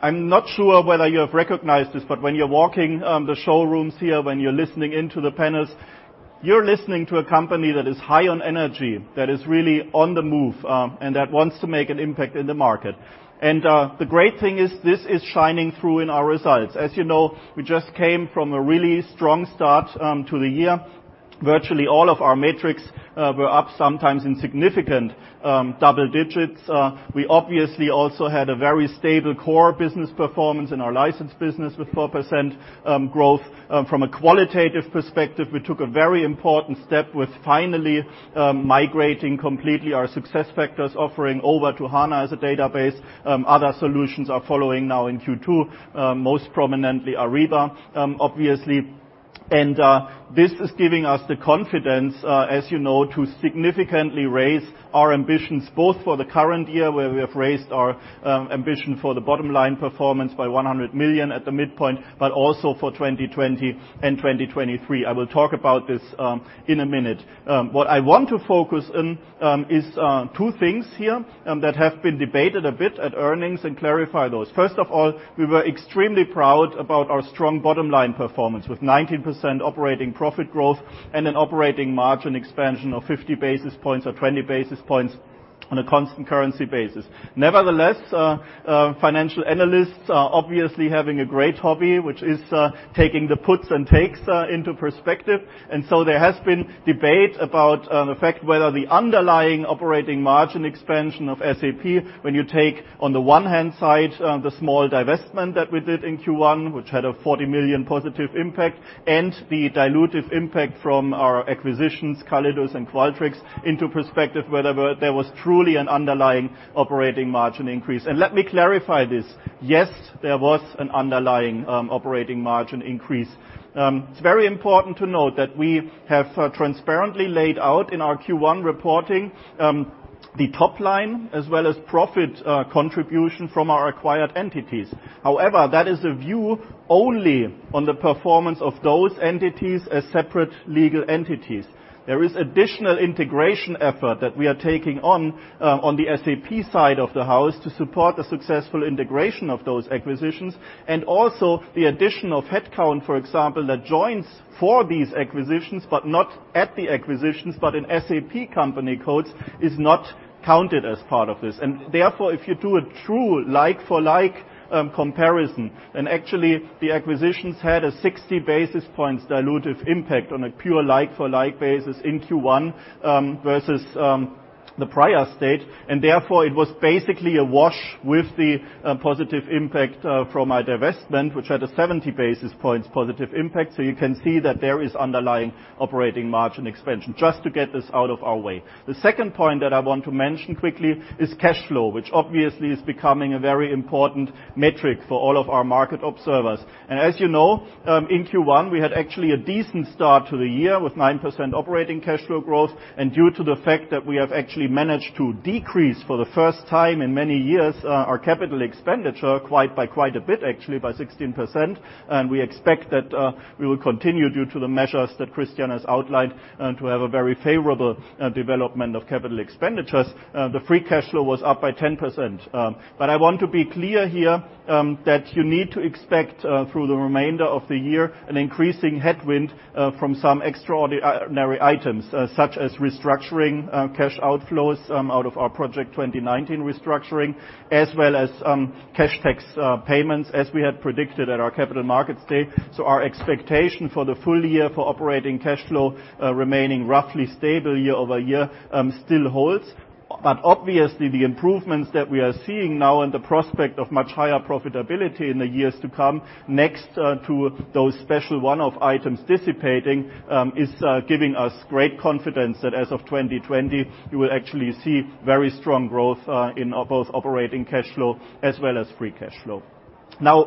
I'm not sure whether you have recognized this, but when you're walking the showrooms here, when you're listening into the panels, you're listening to a company that is high on energy, that is really on the move, and that wants to make an impact in the market. The great thing is this is shining through in our results. As you know, we just came from a really strong start to the year. Virtually all of our metrics were up, sometimes in significant double digits. We obviously also had a very stable core business performance in our license business with 4% growth. From a qualitative perspective, we took a very important step with finally migrating completely our SuccessFactors offering over to HANA as a database. Other solutions are following now in Q2, most prominently Ariba, obviously. This is giving us the confidence, as you know, to significantly raise our ambitions, both for the current year, where we have raised our ambition for the bottom line performance by 100 million at the midpoint, but also for 2020 and 2023. I will talk about this in a minute. What I want to focus in is two things here that have been debated a bit at earnings and clarify those. First of all, we were extremely proud about our strong bottom-line performance, with 19% operating profit growth and an operating margin expansion of 50 basis points or 20 basis points on a constant currency basis. Nevertheless, financial analysts are obviously having a great hobby, which is taking the puts and takes into perspective. There has been debate about the fact whether the underlying operating margin expansion of SAP, when you take on the one-hand side, the small divestment that we did in Q1, which had a 40 million positive impact, and the dilutive impact from our acquisitions, Callidus and Qualtrics, into perspective, whether there was truly an underlying operating margin increase. Let me clarify this. Yes, there was an underlying operating margin increase. It's very important to note that we have transparently laid out in our Q1 reporting, the top line as well as profit contribution from our acquired entities. However, that is a view only on the performance of those entities as separate legal entities. There is additional integration effort that we are taking on the SAP side of the house to support the successful integration of those acquisitions. Also the addition of headcount, for example, that joins for these acquisitions, but not at the acquisitions, but in SAP company codes, is not counted as part of this. Therefore, if you do a true like-for-like comparison, and actually the acquisitions had a 60 basis points dilutive impact on a pure like-for-like basis in Q1 versus the prior state. Therefore, it was basically a wash with the positive impact from our divestment, which had a 70 basis points positive impact. You can see that there is underlying operating margin expansion. Just to get this out of our way. The second point that I want to mention quickly is cash flow, which obviously is becoming a very important metric for all of our market observers. As you know, in Q1, we had actually a decent start to the year with 9% operating cash flow growth. Due to the fact that we have actually managed to decrease for the first time in many years, our capital expenditure by quite a bit, actually by 16%. We expect that we will continue due to the measures that Christian has outlined to have a very favorable development of capital expenditures. The free cash flow was up by 10%. I want to be clear here, that you need to expect through the remainder of the year an increasing headwind from some extraordinary items. Such as restructuring cash outflows out of our Project 2019 restructuring, as well as cash tax payments as we had predicted at our Capital Markets Day. Our expectation for the full year for operating cash flow remaining roughly stable year-over-year still holds. Obviously, the improvements that we are seeing now and the prospect of much higher profitability in the years to come next to those special one-off items dissipating, is giving us great confidence that as of 2020, you will actually see very strong growth in both operating cash flow as well as free cash flow.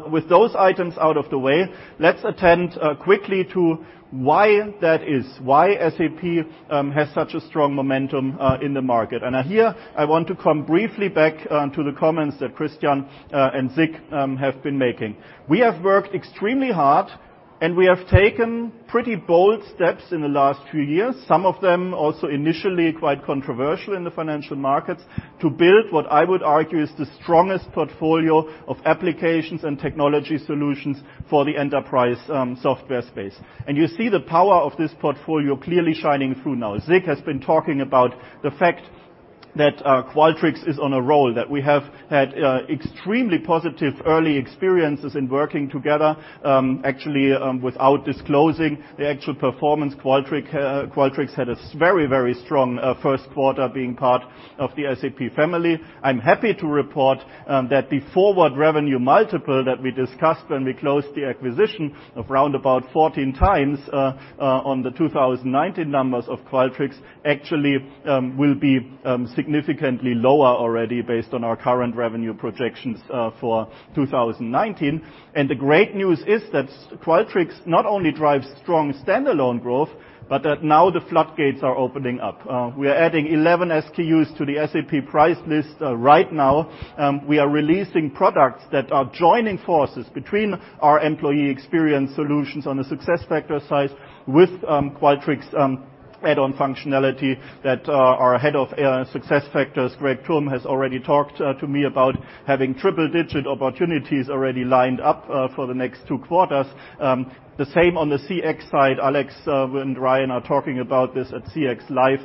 With those items out of the way, let's attend quickly to why that is. Why SAP has such a strong momentum in the market. Here I want to come briefly back to the comments that Christian and Zig have been making. We have worked extremely hard, and we have taken pretty bold steps in the last few years. Some of them also initially quite controversial in the financial markets, to build what I would argue is the strongest portfolio of applications and technology solutions for the enterprise software space. You see the power of this portfolio clearly shining through now. Zig has been talking about the fact that Qualtrics is on a roll, that we have had extremely positive early experiences in working together. Actually, without disclosing the actual performance, Qualtrics had a very strong first quarter being part of the SAP family. I'm happy to report that the forward revenue multiple that we discussed when we closed the acquisition of around about 14 times, on the 2019 numbers of Qualtrics, actually will be significantly lower already based on our current revenue projections for 2019. The great news is that Qualtrics not only drives strong standalone growth, but that now the floodgates are opening up. We are adding 11 SKUs to the SAP price list right now. We are releasing products that are joining forces between our employee experience solutions on the SuccessFactors side with Qualtrics add-on functionality that our head of SuccessFactors, Greg Tomb, has already talked to me about having triple-digit opportunities already lined up for the next two quarters. The same on the CX side. Alex and Ryan are talking about this at CX Live.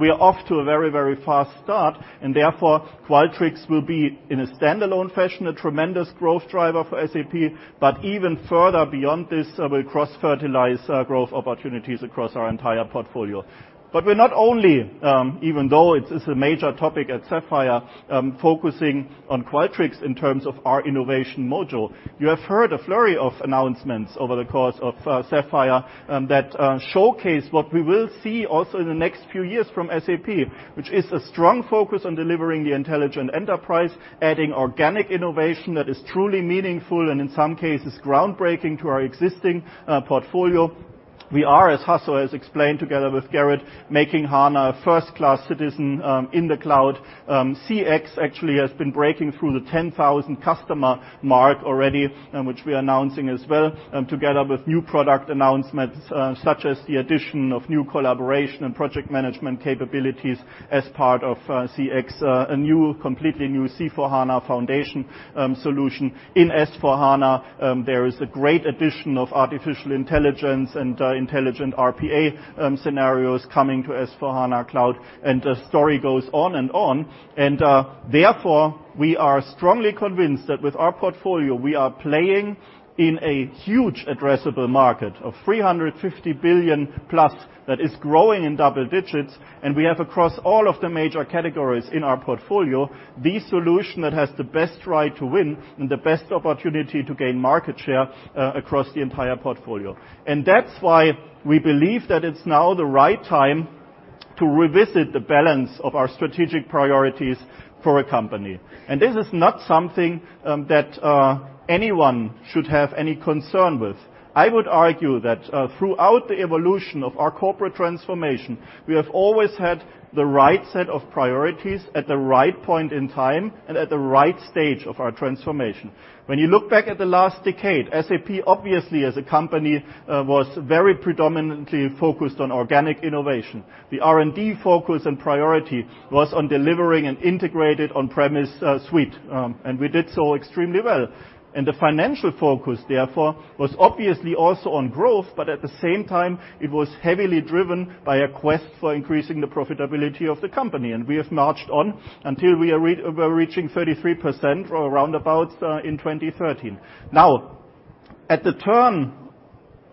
We are off to a very fast start, and therefore Qualtrics will be, in a standalone fashion, a tremendous growth driver for SAP. Even further beyond this, we cross-fertilize growth opportunities across our entire portfolio. We're not only, even though it is a major topic at Sapphire, focusing on Qualtrics in terms of our innovation module. You have heard a flurry of announcements over the course of Sapphire that showcase what we will see also in the next few years from SAP. Which is a strong focus on delivering the intelligent enterprise, adding organic innovation that is truly meaningful and in some cases groundbreaking to our existing portfolio. We are, as Hasso has explained together with Jared, making HANA a first-class citizen in the cloud. CX actually has been breaking through the 10,000 customer mark already, which we are announcing as well, together with new product announcements, such as the addition of new collaboration and project management capabilities as part of CX, a completely new C/4HANA foundation solution. In S/4HANA, there is a great addition of artificial intelligence and intelligent RPA scenarios coming to S/4HANA Cloud, the story goes on and on. We are strongly convinced that with our portfolio, we are playing in a huge addressable market of 350 billion-plus that is growing in double digits. We have, across all of the major categories in our portfolio, the solution that has the best right to win and the best opportunity to gain market share across the entire portfolio. That's why we believe that it's now the right time to revisit the balance of our strategic priorities for a company. This is not something that anyone should have any concern with. I would argue that throughout the evolution of our corporate transformation, we have always had the right set of priorities at the right point in time and at the right stage of our transformation. When you look back at the last decade, SAP, obviously, as a company, was very predominantly focused on organic innovation. The R&D focus and priority was on delivering an integrated on-premise suite, and we did so extremely well. The financial focus, therefore, was obviously also on growth, but at the same time, it was heavily driven by a quest for increasing the profitability of the company. We have marched on until we were reaching 33% or around about in 2013. At the turn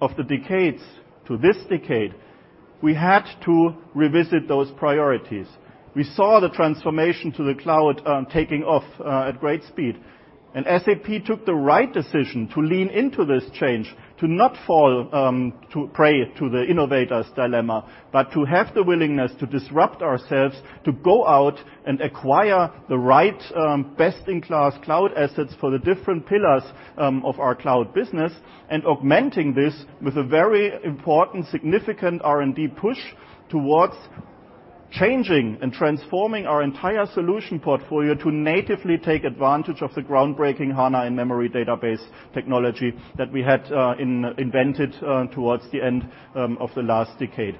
of the decades to this decade, we had to revisit those priorities. We saw the transformation to the cloud taking off at great speed. SAP took the right decision to lean into this change, to not fall prey to the innovator's dilemma, but to have the willingness to disrupt ourselves, to go out and acquire the right best-in-class cloud assets for the different pillars of our cloud business, and augmenting this with a very important, significant R&D push towards changing and transforming our entire solution portfolio to natively take advantage of the groundbreaking HANA in-memory database technology that we had invented towards the end of the last decade.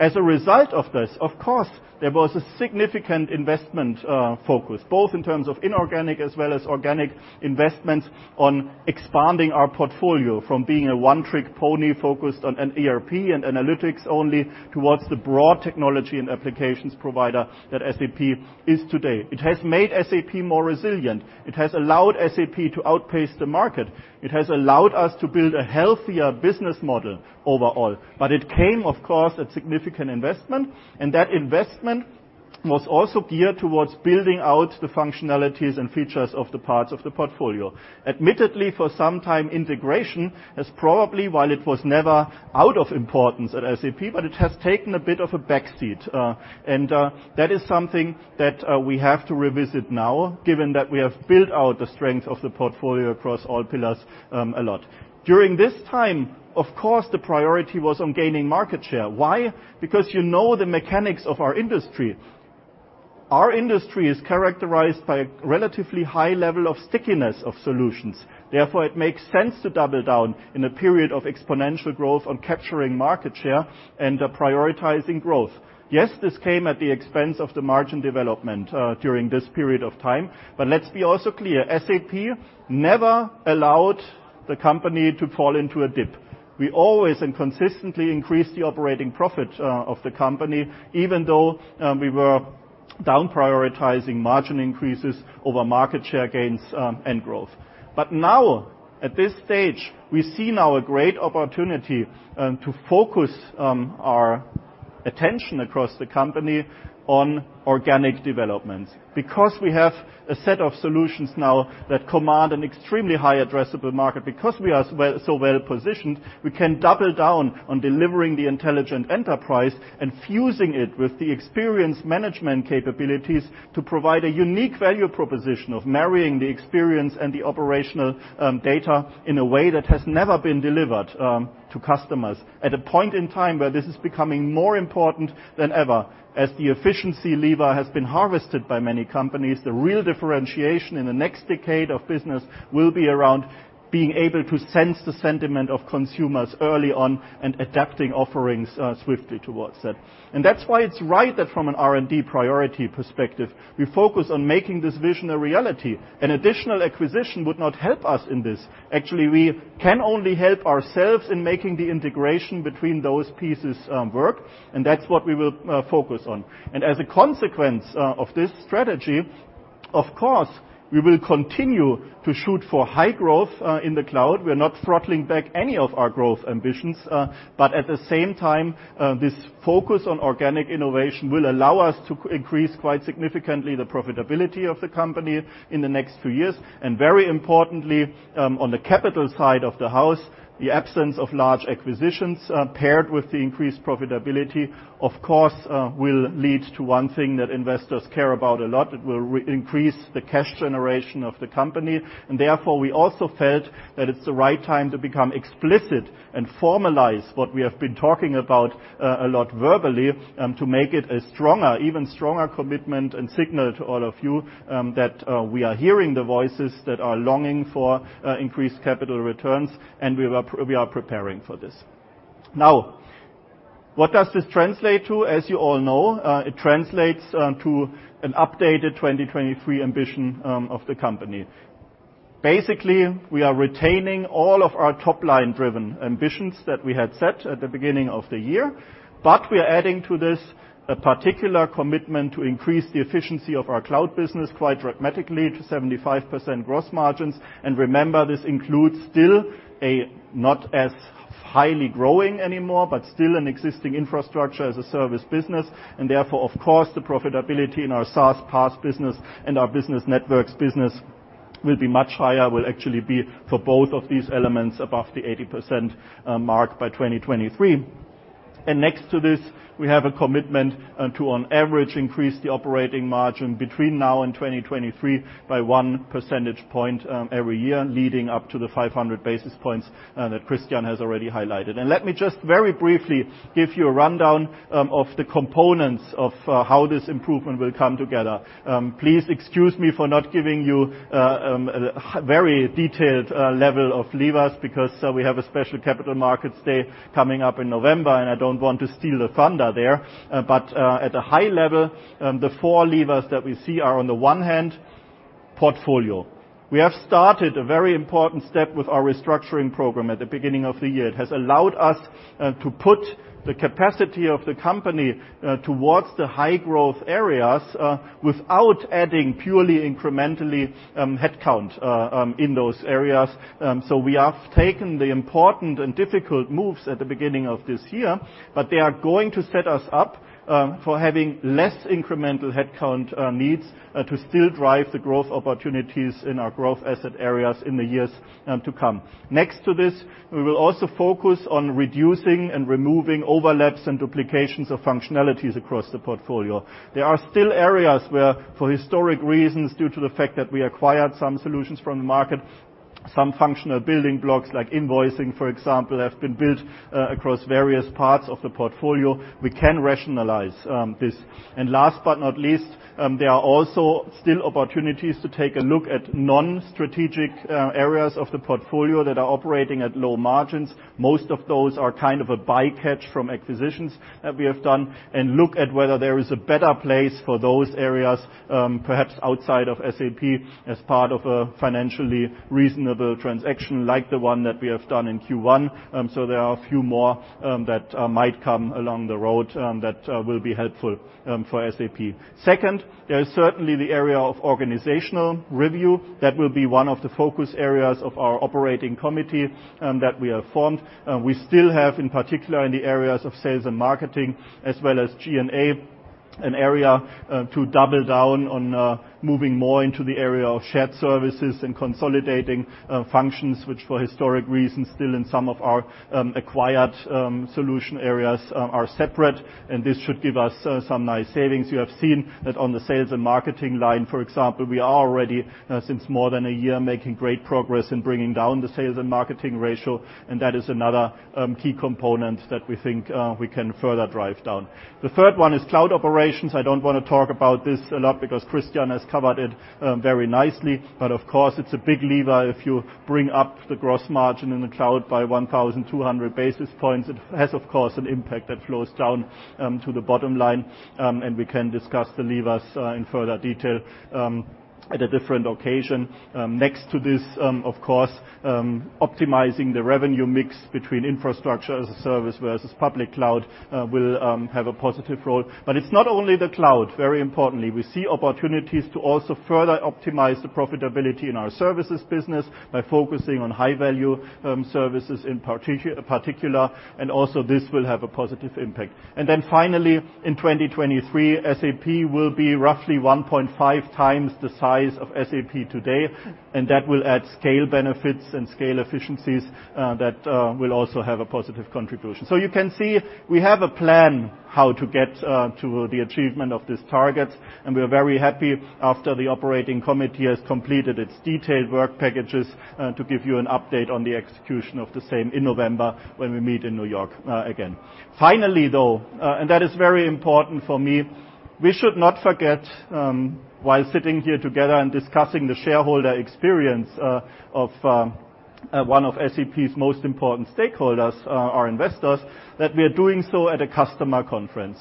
As a result of this, of course, there was a significant investment focus, both in terms of inorganic as well as organic investments on expanding our portfolio from being a one-trick pony focused on an ERP and analytics only towards the broad technology and applications provider that SAP is today. It has made SAP more resilient. It has allowed SAP to outpace the market. It has allowed us to build a healthier business model overall. It came, of course, at significant investment, and that investment was also geared towards building out the functionalities and features of the parts of the portfolio. Admittedly, for some time, integration has probably, while it was never out of importance at SAP, it has taken a bit of a backseat. That is something that we have to revisit now, given that we have built out the strength of the portfolio across all pillars a lot. During this time, of course, the priority was on gaining market share. Why? Because you know the mechanics of our industry. Our industry is characterized by a relatively high level of stickiness of solutions. Therefore, it makes sense to double down in a period of exponential growth on capturing market share and prioritizing growth. This came at the expense of the margin development during this period of time. Let's be also clear, SAP never allowed the company to fall into a dip. We always and consistently increased the operating profit of the company, even though we were down prioritizing margin increases over market share gains and growth. Now, at this stage, we see now a great opportunity to focus our attention across the company on organic development. Because we have a set of solutions now that command an extremely high addressable market, because we are so well positioned, we can double down on delivering the intelligent enterprise and fusing it with the experience management capabilities to provide a unique value proposition of marrying the experience and the operational data in a way that has never been delivered to customers. At a point in time where this is becoming more important than ever, as the efficiency lever has been harvested by many companies, the real differentiation in the next decade of business will be around being able to sense the sentiment of consumers early on and adapting offerings swiftly towards that. That's why it's right that from an R&D priority perspective, we focus on making this vision a reality. An additional acquisition would not help us in this. Actually, we can only help ourselves in making the integration between those pieces work, and that's what we will focus on. As a consequence of this strategy, of course, we will continue to shoot for high growth in the cloud. We're not throttling back any of our growth ambitions. At the same time, this focus on organic innovation will allow us to increase quite significantly the profitability of the company in the next few years. Very importantly, on the capital side of the house, the absence of large acquisitions paired with the increased profitability, of course, will lead to one thing that investors care about a lot. It will increase the cash generation of the company. Therefore, we also felt that it's the right time to become explicit and formalize what we have been talking about a lot verbally to make it a even stronger commitment and signal to all of you that we are hearing the voices that are longing for increased capital returns, and we are preparing for this. Now, what does this translate to? As you all know, it translates to an updated 2023 ambition of the company. We are retaining all of our top-line driven ambitions that we had set at the beginning of the year, but we are adding to this a particular commitment to increase the efficiency of our cloud business quite dramatically to 75% gross margins. Remember, this includes still a not as highly growing anymore, but still an existing Infrastructure as a Service business. Therefore, of course, the profitability in our SaaS PaaS business and our business networks business will be much higher, will actually be for both of these elements above the 80% mark by 2023. Next to this, we have a commitment to, on average, increase the operating margin between now and 2023 by one percentage point every year, leading up to the 500 basis points that Christian has already highlighted. Let me just very briefly give you a rundown of the components of how this improvement will come together. Please excuse me for not giving you a very detailed level of levers, because we have a special capital markets day coming up in November, I don't want to steal the thunder there. At a high level, the four levers that we see are on the one hand, portfolio. We have started a very important step with our restructuring program at the beginning of the year. It has allowed us to put the capacity of the company towards the high-growth areas without adding purely incrementally headcount in those areas. We have taken the important and difficult moves at the beginning of this year, they are going to set us up for having less incremental headcount needs to still drive the growth opportunities in our growth asset areas in the years to come. Next to this, we will also focus on reducing and removing overlaps and duplications of functionalities across the portfolio. There are still areas where, for historic reasons, due to the fact that we acquired some solutions from the market, some functional building blocks, like invoicing, for example, have been built across various parts of the portfolio. We can rationalize this. Last but not least, there are also still opportunities to take a look at non-strategic areas of the portfolio that are operating at low margins. Most of those are kind of a bycatch from acquisitions that we have done and look at whether there is a better place for those areas, perhaps outside of SAP as part of a financially reasonable transaction like the one that we have done in Q1. There are a few more that might come along the road that will be helpful for SAP. Second, there is certainly the area of organizational review that will be one of the focus areas of our operating committee that we have formed. We still have, in particular in the areas of sales and marketing, as well as G&A, an area to double down on moving more into the area of shared services and consolidating functions, which for historic reasons, still in some of our acquired solution areas are separate, and this should give us some nice savings. You have seen that on the sales and marketing line, for example. We are already, since more than a year, making great progress in bringing down the sales and marketing ratio, and that is another key component that we think we can further drive down. The third one is cloud operations. I don't want to talk about this a lot because Christian has covered it very nicely. Of course, it's a big lever if you bring up the gross margin in the cloud by 1,200 basis points. It has, of course, an impact that flows down to the bottom line, and we can discuss the levers in further detail at a different occasion. Next to this, of course, optimizing the revenue mix between Infrastructure as a Service versus public cloud will have a positive role. It's not only the cloud. Very importantly, we see opportunities to also further optimize the profitability in our services business by focusing on high-value services in particular, and also this will have a positive impact. Finally, in 2023, SAP will be roughly 1.5 times the size of SAP today, that will add scale benefits and scale efficiencies that will also have a positive contribution. You can see we have a plan how to get to the achievement of these targets, and we are very happy after the operating committee has completed its detailed work packages to give you an update on the execution of the same in November when we meet in N.Y. again. Finally, though, that is very important for me, we should not forget while sitting here together and discussing the shareholder experience of one of SAP's most important stakeholders, our investors, that we are doing so at a customer conference.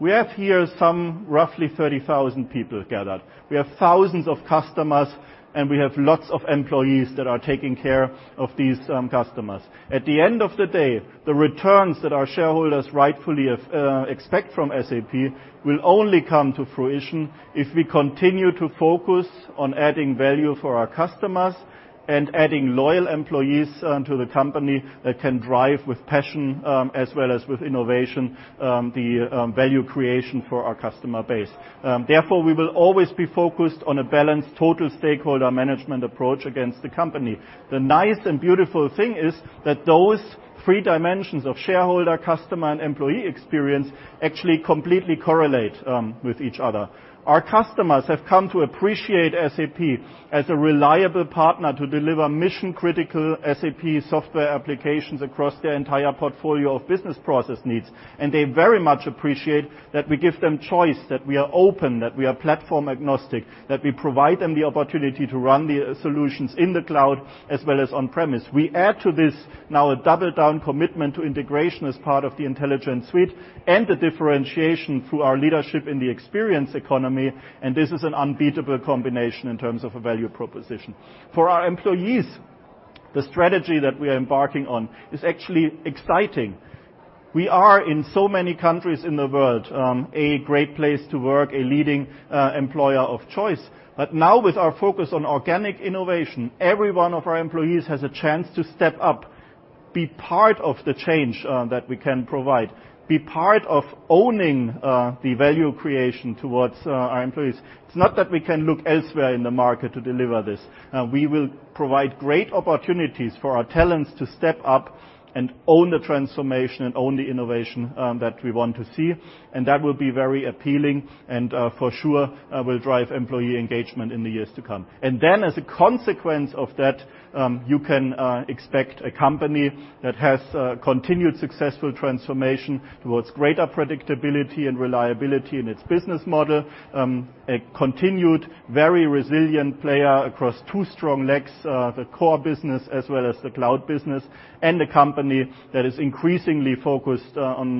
We have here some roughly 30,000 people gathered. We have thousands of customers, and we have lots of employees that are taking care of these customers. At the end of the day, the returns that our shareholders rightfully expect from SAP will only come to fruition if we continue to focus on adding value for our customers and adding loyal employees to the company that can drive with passion as well as with innovation the value creation for our customer base. We will always be focused on a balanced total stakeholder management approach against the company. The nice and beautiful thing is that those three dimensions of shareholder, customer, and employee experience actually completely correlate with each other. Our customers have come to appreciate SAP as a reliable partner to deliver mission-critical SAP software applications across their entire portfolio of business process needs. They very much appreciate that we give them choice, that we are open, that we are platform agnostic, that we provide them the opportunity to run the solutions in the cloud, as well as on-premise. We add to this now a double-down commitment to integration as part of the Intelligent Suite and the differentiation through our leadership in the experience economy, and this is an unbeatable combination in terms of a value proposition. For our employees, the strategy that we are embarking on is actually exciting. We are, in so many countries in the world, a great place to work, a leading employer of choice. Now with our focus on organic innovation, every one of our employees has a chance to step up, be part of the change that we can provide, be part of owning the value creation towards our employees. It's not that we can look elsewhere in the market to deliver this. We will provide great opportunities for our talents to step up and own the transformation and own the innovation that we want to see. That will be very appealing and for sure, will drive employee engagement in the years to come. As a consequence of that, you can expect a company that has continued successful transformation towards greater predictability and reliability in its business model, a continued very resilient player across two strong legs, the core business as well as the cloud business, and a company that is increasingly focused on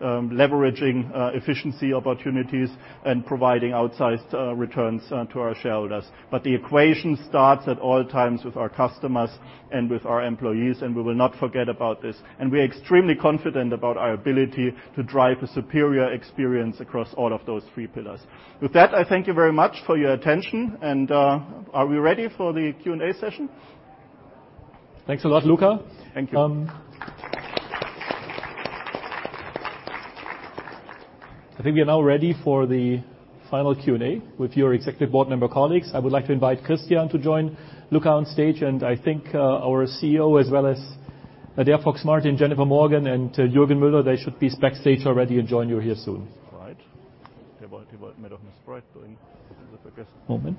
leveraging efficiency opportunities and providing outsized returns to our shareholders. The equation starts at all times with our customers and with our employees, and we will not forget about this. We are extremely confident about our ability to drive a superior experience across all of those three pillars. With that, I thank you very much for your attention. Are we ready for the Q&A session? Thanks a lot, Luka. Thank you. I think we are now ready for the final Q&A with your executive board member colleagues. I would like to invite Christian to join Luka on stage. I think our CEO as well as Adaire Fox-Martin, Jennifer Morgan, and Juergen Mueller, they should be backstage already and join you here soon. All right. Moment.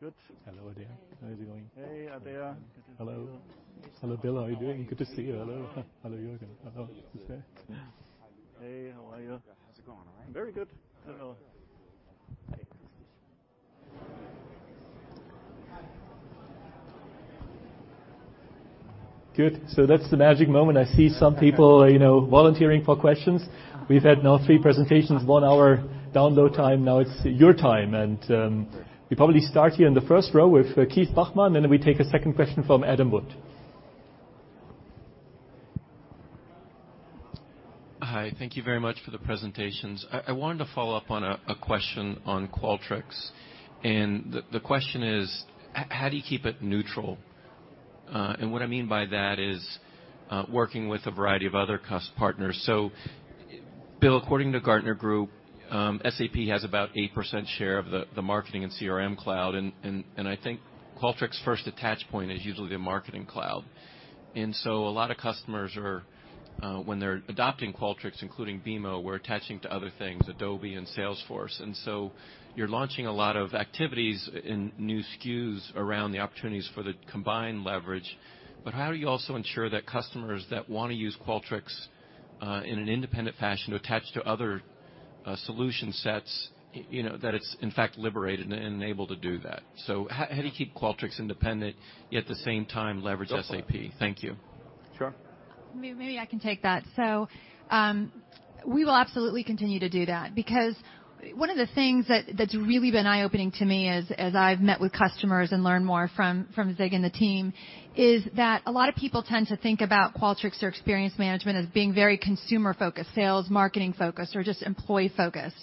Good. Hello, Adaire. How's it going? Hey, Adaire. Hello. Hello, Bill. How are you doing? Good to see you. Hello. Hello, Juergen. Hello. Hey, how are you? How's it going? All right? Very good. Hello. Good. That's the magic moment. I see some people volunteering for questions. We've had now three presentations, one hour download time. Now it's your time. We probably start here in the first row with Keith Bachman, then we take a second question from Adam Wood. Hi. Thank you very much for the presentations. I wanted to follow up on a question on Qualtrics. The question is, how do you keep it neutral? What I mean by that is, working with a variety of other partners. Bill, according to Gartner, SAP has about 8% share of the marketing and CRM cloud, and I think Qualtrics first attach point is usually the marketing cloud. A lot of customers are, when they're adopting Qualtrics, including BMO, we're attaching to other things, Adobe and Salesforce. You're launching a lot of activities in new SKUs around the opportunities for the combined leverage. How do you also ensure that customers that want to use Qualtrics, in an independent fashion to attach to other solution sets, that it's in fact liberated and able to do that? How do you keep Qualtrics independent, yet at the same time leverage SAP? Thank you. Sure. Maybe I can take that. We will absolutely continue to do that because one of the things that's really been eye-opening to me as I've met with customers and learned more from Zig and the team, is that a lot of people tend to think about Qualtrics or experience management as being very consumer-focused, sales, marketing focused, or just employee focused.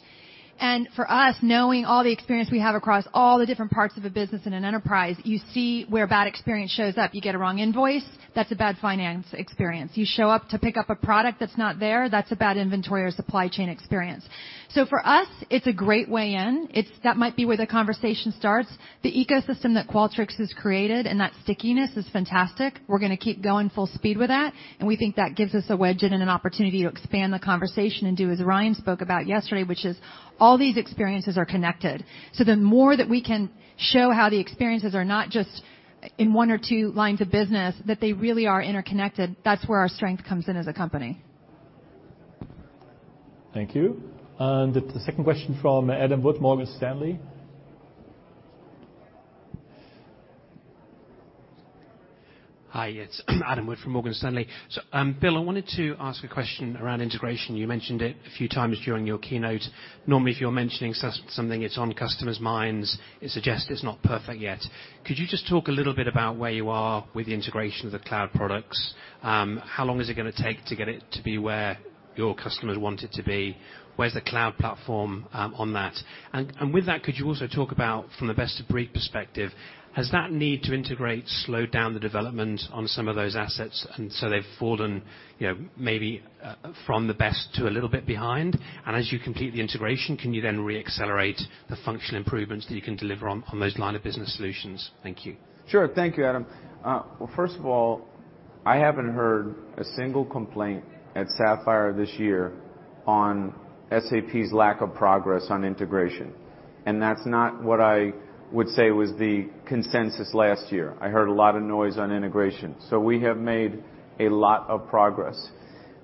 For us, knowing all the experience we have across all the different parts of a business in an enterprise, you see where bad experience shows up. You get a wrong invoice, that's a bad finance experience. You show up to pick up a product that's not there, that's a bad inventory or supply chain experience. For us, it's a great way in. That might be where the conversation starts. The ecosystem that Qualtrics has created and that stickiness is fantastic. We're going to keep going full speed with that. We think that gives us a wedge in and an opportunity to expand the conversation and do as Ryan spoke about yesterday, which is all these experiences are connected. The more that we can show how the experiences are not just in one or two lines of business, that they really are interconnected, that's where our strength comes in as a company. Thank you. The second question from Adam Wood, Morgan Stanley. Hi, it's Adam Wood from Morgan Stanley. Bill, I wanted to ask a question around integration. You mentioned it a few times during your keynote. Normally, if you're mentioning something, it's on customers' minds, it suggests it's not perfect yet. Could you just talk a little bit about where you are with the integration of the cloud products? How long is it going to take to get it to be where your customers want it to be? Where's the Cloud Platform on that? With that, could you also talk about, from the best of breed perspective, has that need to integrate slowed down the development on some of those assets, and so they've fallen maybe from the best to a little bit behind? As you complete the integration, can you then re-accelerate the functional improvements that you can deliver on those line of business solutions? Thank you. Sure. Thank you, Adam. I haven't heard a single complaint at Sapphire this year on SAP's lack of progress on integration, that's not what I would say was the consensus last year. I heard a lot of noise on integration. We have made a lot of progress.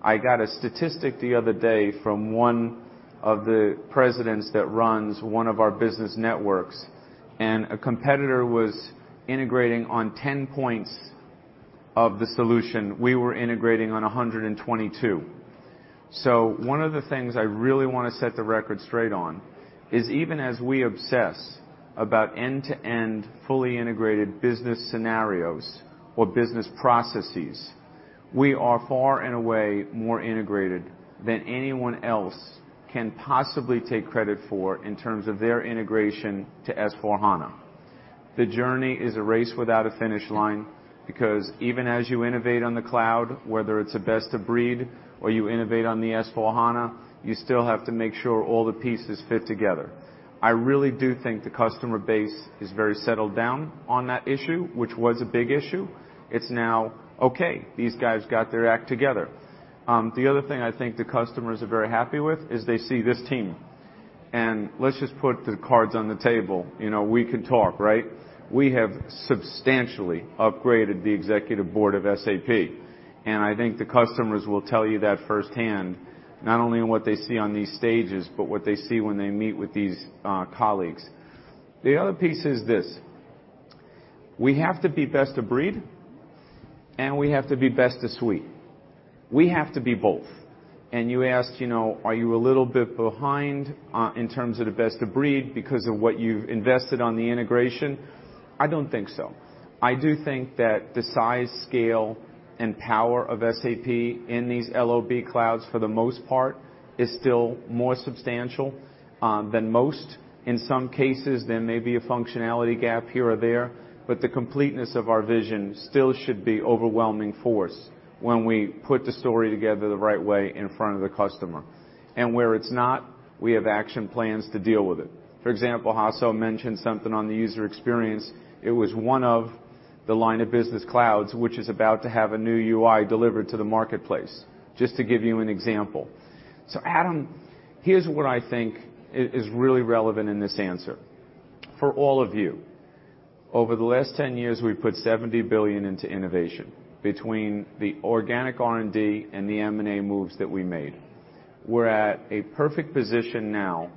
I got a statistic the other day from one of the presidents that runs one of our business networks, a competitor was integrating on 10 points of the solution. We were integrating on 122. One of the things I really want to set the record straight on is even as we obsess about end-to-end, fully integrated business scenarios or business processes, we are far and away more integrated than anyone else can possibly take credit for in terms of their integration to S/4HANA. The journey is a race without a finish line, even as you innovate on the cloud, whether it's a best-of-breed or you innovate on the S/4HANA, you still have to make sure all the pieces fit together. I really do think the customer base is very settled down on that issue, which was a big issue. It's now, okay, these guys got their act together. The other thing I think the customers are very happy with is they see this team, let's just put the cards on the table. We could talk. We have substantially upgraded the executive board of SAP, I think the customers will tell you that firsthand, not only in what they see on these stages, but what they see when they meet with these colleagues. The other piece is this, we have to be best of breed, we have to be best of suite. We have to be both. You asked, are you a little bit behind in terms of the best of breed because of what you've invested on the integration? I don't think so. I do think that the size, scale, and power of SAP in these LOB clouds, for the most part, is still more substantial than most. In some cases, there may be a functionality gap here or there, but the completeness of our vision still should be overwhelming force when we put the story together the right way in front of the customer. Where it's not, we have action plans to deal with it. For example, Hasso mentioned something on the user experience. It was one of the line of business clouds, which is about to have a new UI delivered to the marketplace, just to give you an example. Adam, here's what I think is really relevant in this answer. For all of you, over the last 10 years, we've put 70 billion into innovation between the organic R&D and the M&A moves that we made. We're at a perfect position now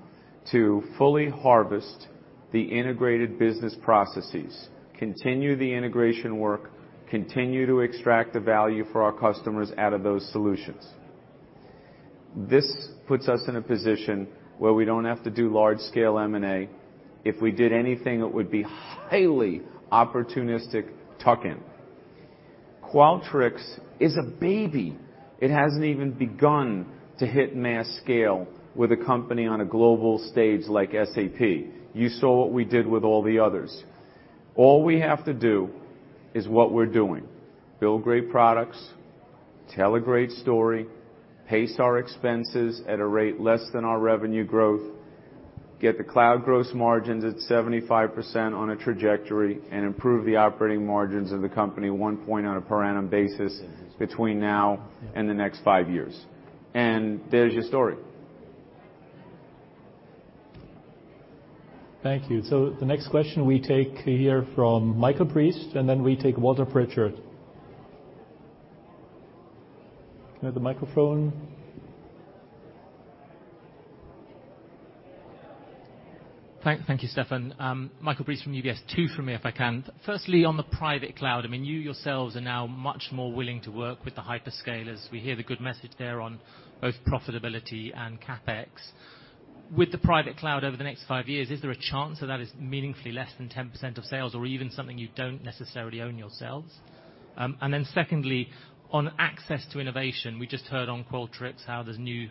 to fully harvest the integrated business processes, continue the integration work, continue to extract the value for our customers out of those solutions. This puts us in a position where we don't have to do large scale M&A. If we did anything, it would be highly opportunistic tuck-in. Qualtrics is a baby. It hasn't even begun to hit mass scale with a company on a global stage like SAP. You saw what we did with all the others. All we have to do is what we're doing, build great products, tell a great story, pace our expenses at a rate less than our revenue growth, get the cloud gross margins at 75% on a trajectory, and improve the operating margins of the company one point on a per annum basis between now and the next five years. There's your story. Thank you. The next question we take here from Michael Briest, and then we take Walter Pritchard. Can I have the microphone? Thank you, Stefan. Michael Briest from UBS. Two from me, if I can. Firstly, on the private cloud, you yourselves are now much more willing to work with the hyperscalers. We hear the good message there on both profitability and CapEx. With the private cloud over the next five years, is there a chance that is meaningfully less than 10% of sales or even something you don't necessarily own yourselves? Secondly, on access to innovation, we just heard on Qualtrics how there's new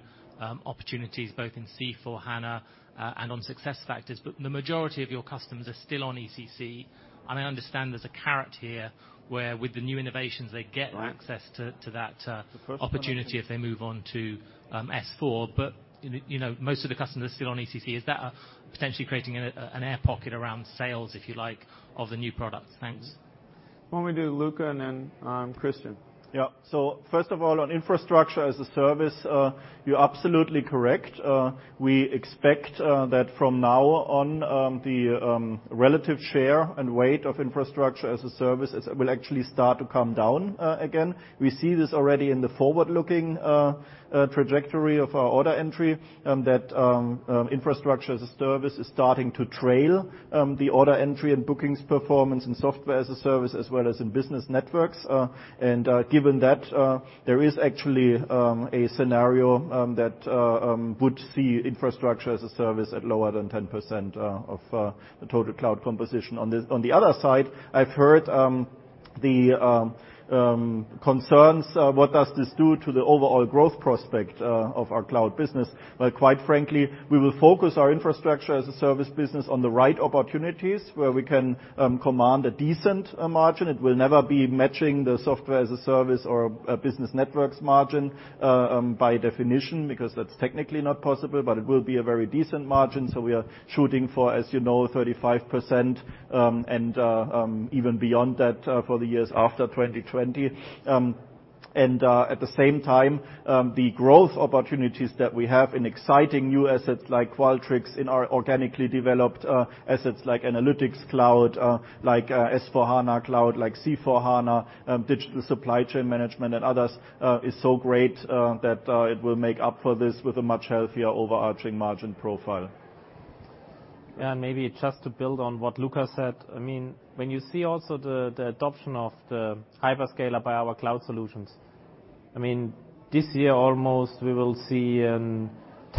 opportunities both in C/4HANA and on SuccessFactors. The majority of your customers are still on ECC. I understand there's a carrot here, where with the new innovations, they get access to that. The first one opportunity if they move on to S/4. Most of the customers are still on ECC. Is that potentially creating an air pocket around sales, if you like, of the new products? Thanks. Why don't we do Luka and then Christian? Yeah. First of all, on infrastructure as a service, you're absolutely correct. We expect that from now on, the relative share and weight of infrastructure as a service will actually start to come down again. We see this already in the forward-looking trajectory of our order entry, that infrastructure as a service is starting to trail the order entry and bookings performance in software as a service, as well as in business networks. Given that, there is actually a scenario that would see infrastructure as a service at lower than 10% of the total cloud composition. On the other side, I've heard the concerns, what does this do to the overall growth prospect of our cloud business? Well, quite frankly, we will focus our infrastructure as a service business on the right opportunities where we can command a decent margin. It will never be matching the software as a service or a business networks margin by definition, because that's technically not possible, but it will be a very decent margin. We are shooting for, as you know, 35% and even beyond that for the years after 2020. At the same time, the growth opportunities that we have in exciting new assets like Qualtrics, in our organically developed assets like Analytics Cloud, like S/4HANA Cloud, like C/4HANA, digital supply chain management, and others, is so great that it will make up for this with a much healthier overarching margin profile. Maybe just to build on what Luka said. When you see also the adoption of the hyperscaler by our cloud solutions, this year almost we will see a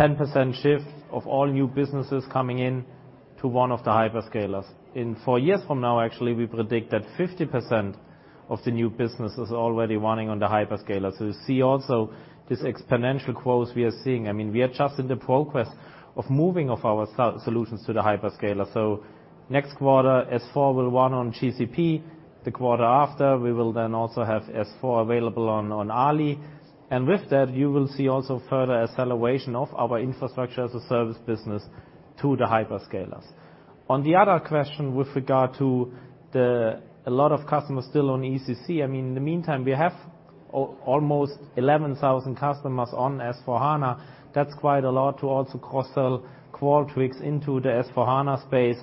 10% shift of all new businesses coming in to one of the hyperscalers. In four years from now, actually, we predict that 50% of the new business is already running on the hyperscaler. You see also this exponential growth we are seeing. We are just in the progress of moving of our solutions to the hyperscaler. Next quarter, S/4 will run on GCP. The quarter after, we will then also have S/4 available on Ali. With that, you will see also further acceleration of our infrastructure as a service business to the hyperscalers. On the other question with regard to a lot of customers still on ECC, in the meantime, we have almost 11,000 customers on S/4HANA. That's quite a lot to also cross-sell Qualtrics into the S/4HANA space.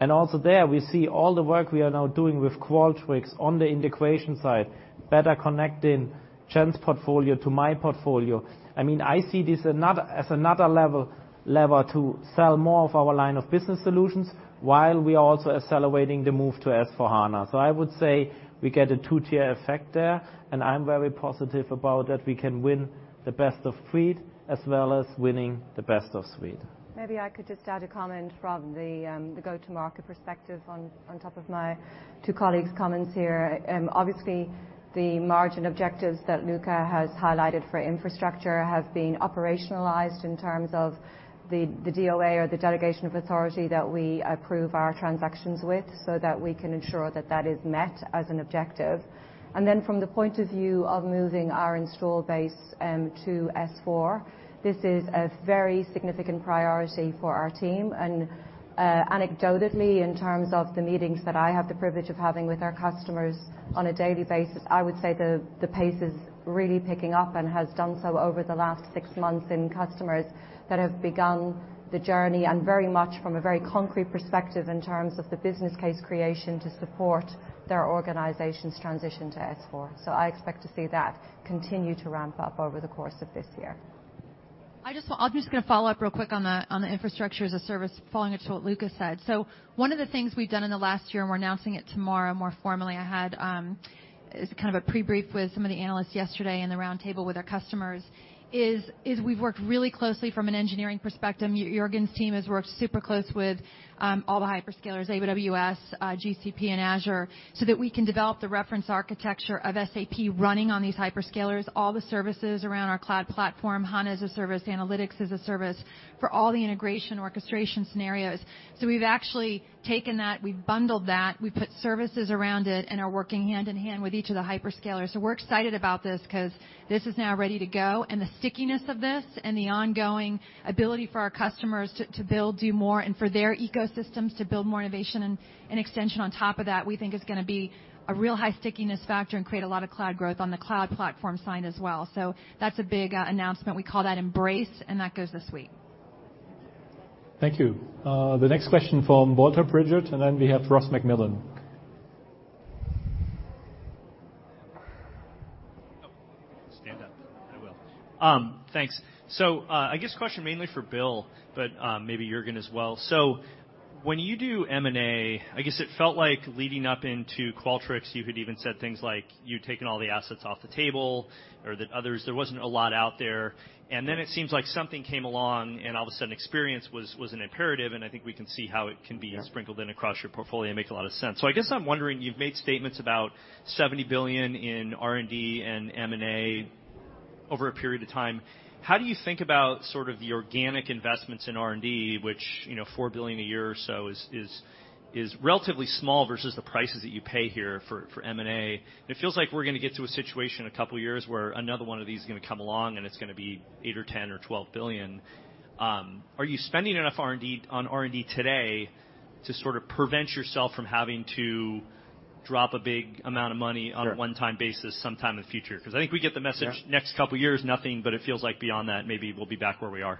Also there, we see all the work we are now doing with Qualtrics on the integration side, better connecting Jen's portfolio to my portfolio. I see this as another lever to sell more of our line of business solutions while we are also accelerating the move to S/4HANA. I would say we get a 2-tier effect there, and I'm very positive about that. We can win the best of breed as well as winning the best of suite. Maybe I could just add a comment from the go-to-market perspective on top of my two colleagues' comments here. Obviously, the margin objectives that Luka has highlighted for infrastructure have been operationalized in terms of the DOA or the delegation of authority that we approve our transactions with, that we can ensure that that is met as an objective. Then from the point of view of moving our install base to S/4, this is a very significant priority for our team. Anecdotally, in terms of the meetings that I have the privilege of having with our customers on a daily basis, I would say the pace is really picking up and has done so over the last 6 months in customers that have begun the journey, and very much from a very concrete perspective in terms of the business case creation to support their organization's transition to S/4. I expect to see that continue to ramp up over the course of this year. I'm just going to follow up real quick on the infrastructure as a service, following up to what Luka said. One of the things we've done in the last year, and we're announcing it tomorrow more formally, I had a pre-brief with some of the analysts yesterday and the roundtable with our customers, is we've worked really closely from an engineering perspective. Juergen's team has worked super close with all the hyperscalers, AWS, GCP, and Azure, so that we can develop the reference architecture of SAP running on these hyperscalers, all the services around our cloud platform, HANA as a service, analytics as a service, for all the integration orchestration scenarios. We've actually taken that, we've bundled that, we put services around it, and are working hand in hand with each of the hyperscalers. We're excited about this because this is now ready to go, and the stickiness of this and the ongoing ability for our customers to build, do more, and for their ecosystems to build more innovation and extension on top of that, we think is going to be a real high stickiness factor and create a lot of cloud growth on the cloud platform side as well. That's a big announcement. We call that Embrace, and that goes this week. Thank you. The next question from Walter Pritchard, and then we have Ross MacMillan. Oh, stand up. I will. Thanks. I guess question mainly for Bill, but maybe Juergen as well. When you do M&A, I guess it felt like leading up into Qualtrics, you had even said things like you'd taken all the assets off the table or that others, there wasn't a lot out there. It seems like something came along, and all of a sudden experience was an imperative, and I think we can see how it can be sprinkled in across your portfolio and make a lot of sense. I guess I'm wondering, you've made statements about 70 billion in R&D and M&A over a period of time. How do you think about the organic investments in R&D, which 4 billion a year or so is relatively small versus the prices that you pay here for M&A? It feels like we're going to get to a situation in a couple of years where another one of these is going to come along and it's going to be 8 or 10 or 12 billion. Are you spending enough on R&D today to prevent yourself from having to drop a big amount of money on a one-time basis sometime in the future? I think we get the message. Next couple of years, nothing, but it feels like beyond that, maybe we'll be back where we are.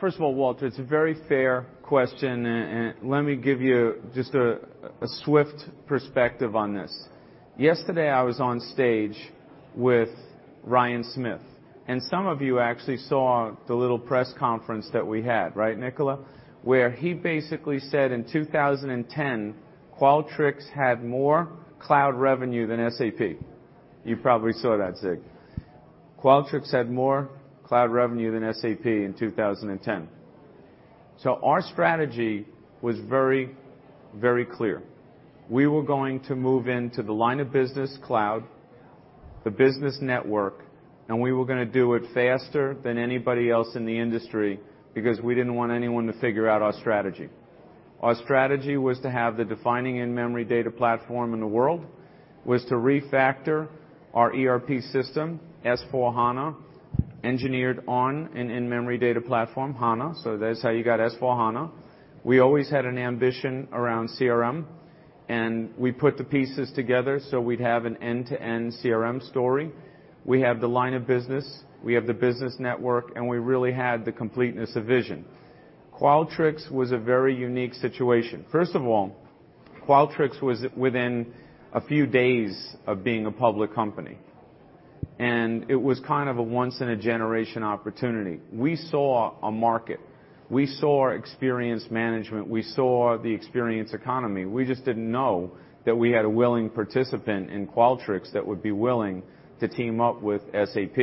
First of all, Walter, it's a very fair question. Let me give you just a swift perspective on this. Yesterday, I was on stage with Ryan Smith, and some of you actually saw the little press conference that we had, right, Nicola? Where he basically said in 2010, Qualtrics had more cloud revenue than SAP. You probably saw that, Zig. Qualtrics had more cloud revenue than SAP in 2010. Our strategy was very clear. We were going to move into the LOB cloud, the business network, and we were going to do it faster than anybody else in the industry because we didn't want anyone to figure out our strategy. Our strategy was to have the defining in-memory data platform in the world, was to refactor our ERP system, SAP S/4HANA. That's how you got SAP S/4HANA. We always had an ambition around CRM, we put the pieces together so we'd have an end-to-end CRM story. We have the LOB, we have the business network, we really had the completeness of vision. Qualtrics was a very unique situation. First of all, Qualtrics was within a few days of being a public company, it was kind of a once in a generation opportunity. We saw a market, we saw experience management, we saw the experience economy. We just didn't know that we had a willing participant in Qualtrics that would be willing to team up with SAP.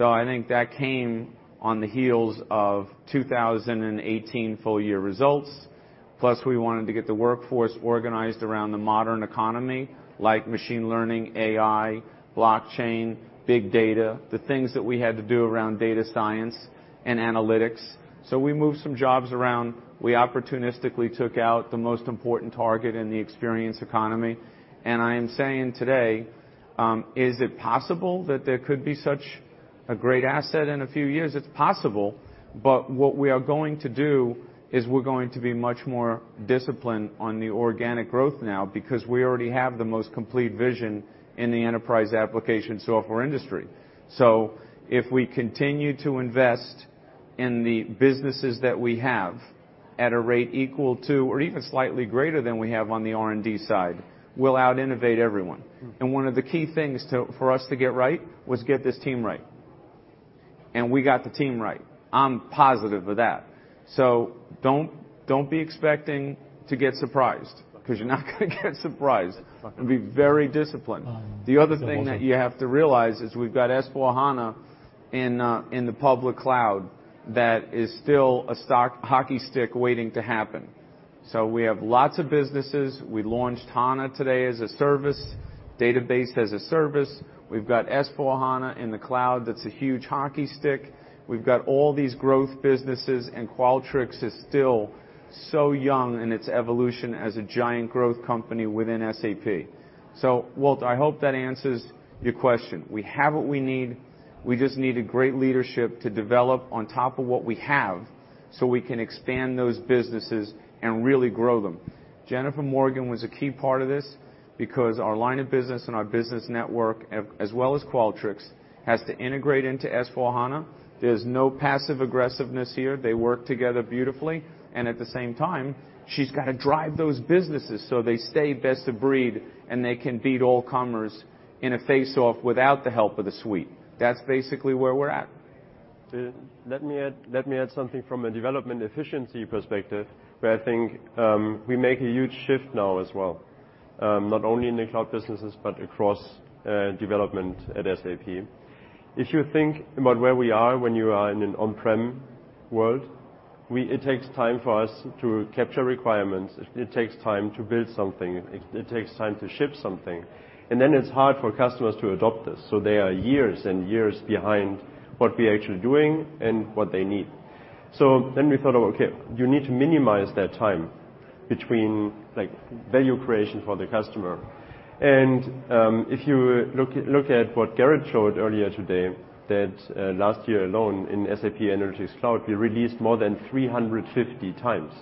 I think that came on the heels of 2018 full year results. Plus, we wanted to get the workforce organized around the modern economy like machine learning, AI, blockchain, big data, the things that we had to do around data science and analytics. We moved some jobs around. We opportunistically took out the most important target in the experience economy. I am saying today, is it possible that there could be such a great asset in a few years? It is possible, what we are going to do is we are going to be much more disciplined on the organic growth now because we already have the most complete vision in the enterprise application software industry. If we continue to invest in the businesses that we have at a rate equal to or even slightly greater than we have on the R&D side, we will out-innovate everyone. One of the key things for us to get right was to get this team right. We got the team right. I am positive of that. Do not be expecting to get surprised, because you are not going to get surprised. We will be very disciplined. The other thing that you have to realize is we have got S/4HANA in the public cloud that is still a stock hockey stick waiting to happen. We have lots of businesses. We launched HANA today as a service, Database as a Service. We have got S/4HANA in the cloud, that is a huge hockey stick. We have got all these growth businesses, and Qualtrics is still so young in its evolution as a giant growth company within SAP. Walt, I hope that answers your question. We have what we need. We just need a great leadership to develop on top of what we have so we can expand those businesses and really grow them. Jennifer Morgan was a key part of this because our line of business and our business network, as well as Qualtrics, has to integrate into S/4HANA. There is no passive aggressiveness here. They work together beautifully, and at the same time, she has got to drive those businesses so they stay best of breed, and they can beat all comers in a face-off without the help of the suite. That is basically where we are at. Let me add something from a development efficiency perspective, where I think we make a huge shift now as well. Not only in the cloud businesses, but across development at SAP. If you think about where we are when you are in an on-prem world, it takes time for us to capture requirements. It takes time to build something. It takes time to ship something. Then it is hard for customers to adopt this. They are years and years behind what we are actually doing and what they need. We thought, okay, you need to minimize that time between value creation for the customer. If you look at what Jared showed earlier today, that last year alone in SAP Energy's cloud, we released more than 350 times.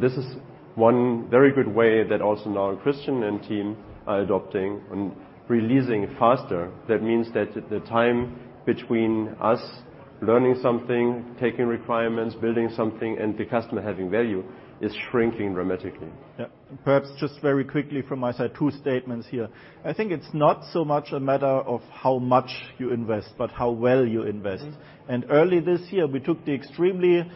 This is one very good way that also now Christian and team are adopting and releasing faster. That means that the time between us learning something, taking requirements, building something, and the customer having value is shrinking dramatically. Yeah. Perhaps just very quickly from my side, two statements here. I think it's not so much a matter of how much you invest, but how well you invest. Early this year, we took the extremely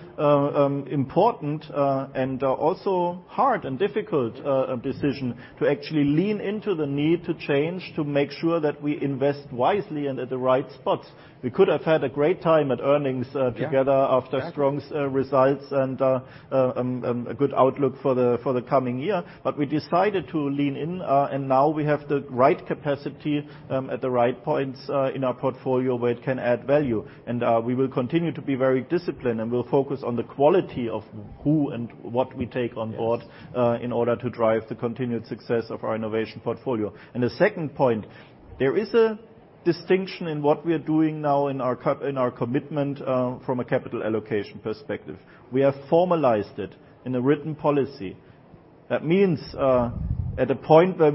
important, and also hard and difficult decision to actually lean into the need to change, to make sure that we invest wisely and at the right spots. We could have had a great time at earnings together. Yeah. Exactly. after strong results and a good outlook for the coming year. We decided to lean in, now we have the right capacity at the right points in our portfolio where it can add value. We will continue to be very disciplined, and we'll focus on the quality of who and what we take on board. Yes in order to drive the continued success of our innovation portfolio. The second point, there is a distinction in what we are doing now in our commitment from a capital allocation perspective. We have formalized it in a written policy. That means, at a point where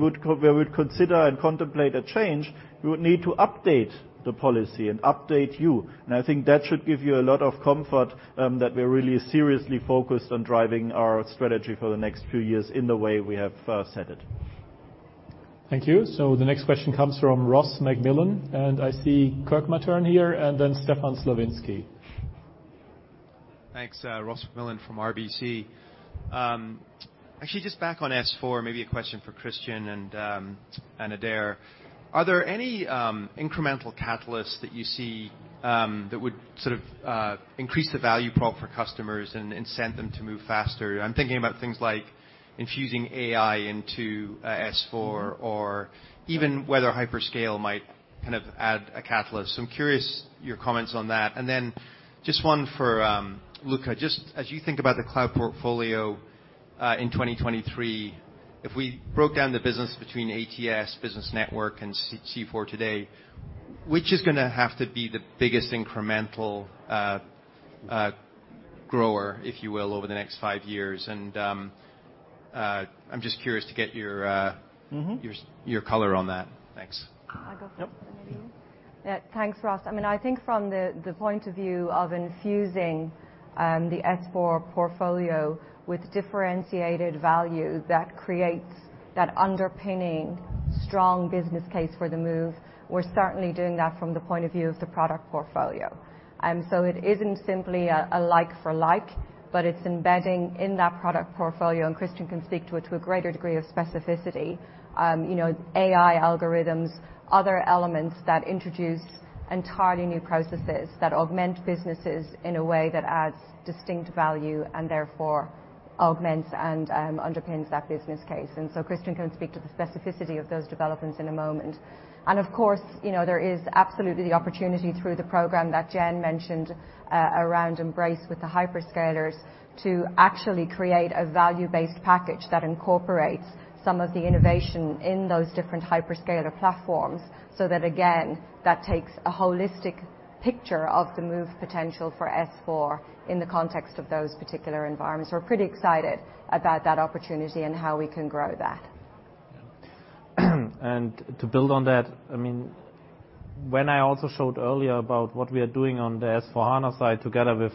we'd consider and contemplate a change, we would need to update the policy and update you. I think that should give you a lot of comfort that we're really seriously focused on driving our strategy for the next few years in the way we have set it. Thank you. The next question comes from Ross MacMillan. I see Kirk Materne here and then Stefan Slowinski. Thanks. Ross MacMillan from RBC. Actually, just back on S4, maybe a question for Christian and Adaire. Are there any incremental catalysts that you see that would increase the value prop for customers and incent them to move faster? I'm thinking about things like infusing AI into S4 or even whether hyperscale might add a catalyst. I'm curious your comments on that. Then just one for Luka. As you think about the cloud portfolio in 2023, if we broke down the business between ATS, Business Network, and C/4 today, which is going to have to be the biggest incremental grower, if you will, over the next five years? I'm just curious to get your. color on that. Thanks. I'll go first. Maybe you. Yep. Thanks, Ross. I think from the point of view of infusing the S/4 portfolio with differentiated value that creates that underpinning strong business case for the move, we're certainly doing that from the point of view of the product portfolio. It isn't simply a like for like, but it's embedding in that product portfolio. Christian can speak to it to a greater degree of specificity. AI algorithms, other elements that introduce entirely new processes that augment businesses in a way that adds distinct value and therefore augments and underpins that business case. Christian can speak to the specificity of those developments in a moment. Of course, there is absolutely the opportunity through the program that Jen mentioned, around Embrace with the hyperscalers, to actually create a value-based package that incorporates some of the innovation in those different hyperscaler platforms. That, again, that takes a holistic picture of the move potential for S/4 in the context of those particular environments. We're pretty excited about that opportunity and how we can grow that. To build on that, when I also showed earlier about what we are doing on the S/4HANA side together with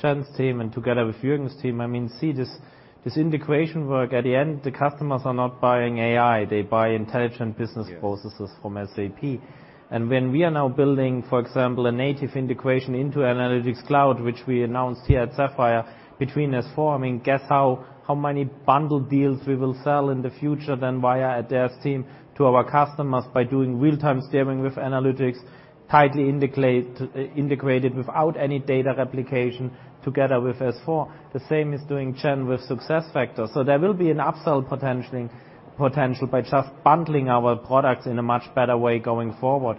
Jen's team and together with Juergen's team, see, this integration work, at the end, the customers are not buying AI, they buy intelligent business processes- Yes from SAP. When we are now building, for example, a native integration into Analytics Cloud, which we announced here at Sapphire between S/4, guess how many bundled deals we will sell in the future then via Adaire's team to our customers by doing real-time steering with analytics, tightly integrated without any data replication together with S/4. The same is doing Jen with SuccessFactors. There will be an upsell potential by just bundling our products in a much better way going forward.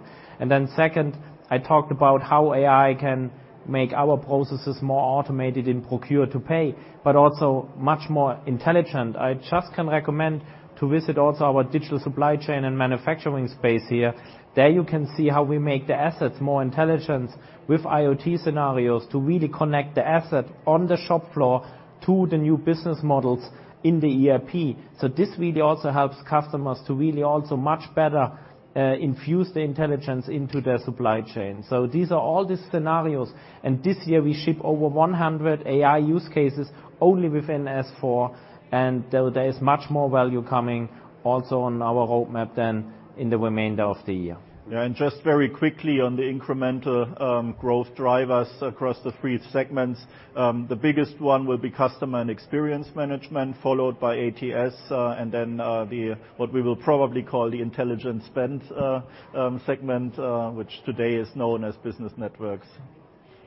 Then second, I talked about how AI can make our processes more automated in procure to pay, but also much more intelligent. I just can recommend to visit also our digital supply chain and manufacturing space here. There you can see how we make the assets more intelligent with IoT scenarios to really connect the asset on the shop floor to the new business models in the ERP. This really also helps customers to really also much better infuse the intelligence into their supply chain. These are all the scenarios. This year we ship over 100 AI use cases only within S/4, and there is much more value coming also on our roadmap than in the remainder of the year. Just very quickly on the incremental growth drivers across the three segments. The biggest one will be customer and experience management, followed by ATS, then what we will probably call the intelligent spend segment, which today is known as business networks.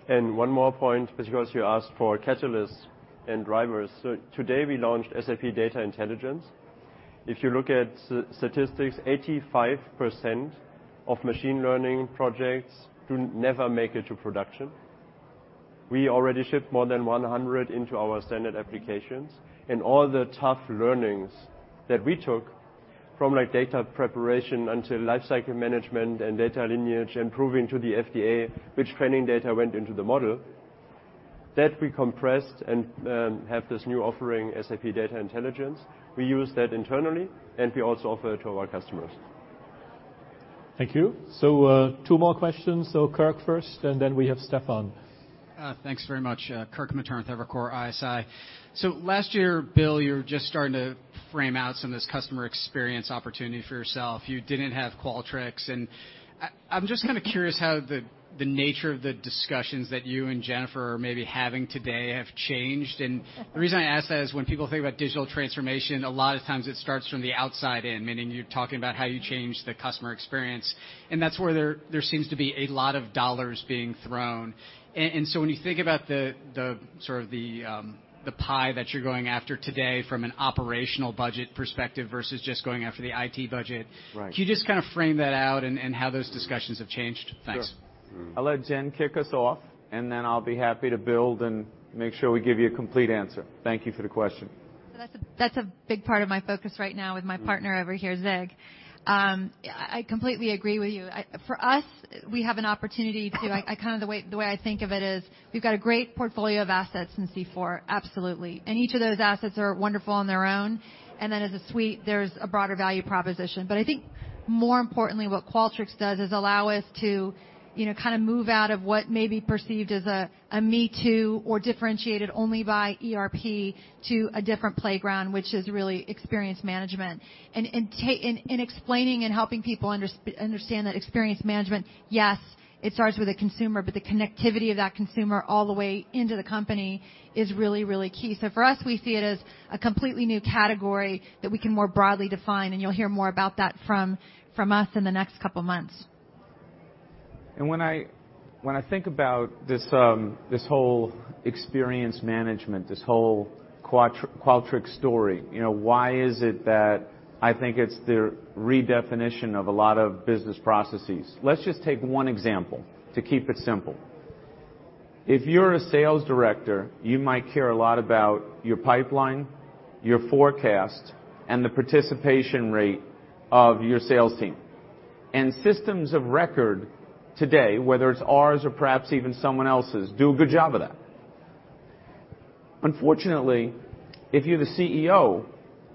One more point, because you asked for catalysts and drivers. Today we launched SAP Data Intelligence. If you look at statistics, 85% of machine learning projects never make it to production. We already shipped more than 100 into our standard applications. All the tough learnings that we took from data preparation until lifecycle management and data lineage and proving to the FDA which training data went into the model, that we compressed and have this new offering, SAP Data Intelligence. We use that internally, and we also offer it to our customers. Thank you. Two more questions. Kirk first, and then we have Stefan. Thanks very much. Kirk Materne with Evercore ISI. Last year, Bill, you were just starting to frame out some of this customer experience opportunity for yourself. You didn't have Qualtrics. I'm just kind of curious how the nature of the discussions that you and Jennifer are maybe having today have changed. The reason I ask that is when people think about digital transformation, a lot of times it starts from the outside in, meaning you're talking about how you change the customer experience. That's where there seems to be a lot of dollars being thrown. When you think about the pie that you're going after today from an operational budget perspective versus just going after the IT budget- Right Can you just kind of frame that out and how those discussions have changed? Thanks. Sure. I'll let Jen kick us off, and then I'll be happy to build and make sure we give you a complete answer. Thank you for the question. That's a big part of my focus right now with my partner over here, Zig. I completely agree with you. The way I think of it is, we've got a great portfolio of assets in C/4, absolutely. Each of those assets are wonderful on their own. As a suite, there's a broader value proposition. I think more importantly, what Qualtrics does is allow us to move out of what may be perceived as a me-too or differentiated only by ERP to a different playground, which is really experience management. In explaining and helping people understand that experience management, yes, it starts with a consumer, but the connectivity of that consumer all the way into the company is really, really key. For us, we see it as a completely new category that we can more broadly define, and you'll hear more about that from us in the next couple of months. When I think about this whole experience management, this whole Qualtrics story, why is it that I think it's the redefinition of a lot of business processes? Let's just take one example to keep it simple. If you're a sales director, you might care a lot about your pipeline, your forecast, and the participation rate of your sales team. Systems of record today, whether it's ours or perhaps even someone else's, do a good job of that. Unfortunately, if you're the CEO,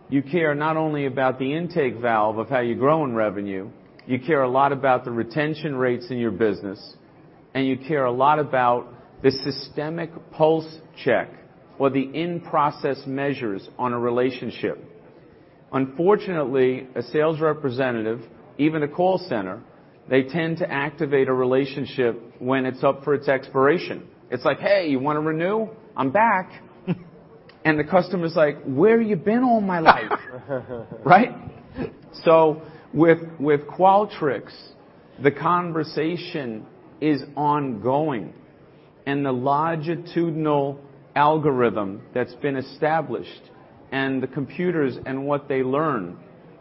you care not only about the intake valve of how you're growing revenue, you care a lot about the retention rates in your business, and you care a lot about the systemic pulse check or the in-process measures on a relationship. Unfortunately, a sales representative, even a call center, they tend to activate a relationship when it's up for its expiration. It's like, "Hey, you want to renew? I'm back." And the customer's like, "Where you been all my life?" Right? With Qualtrics, the conversation is ongoing, and the longitudinal algorithm that's been established, and the computers and what they learn,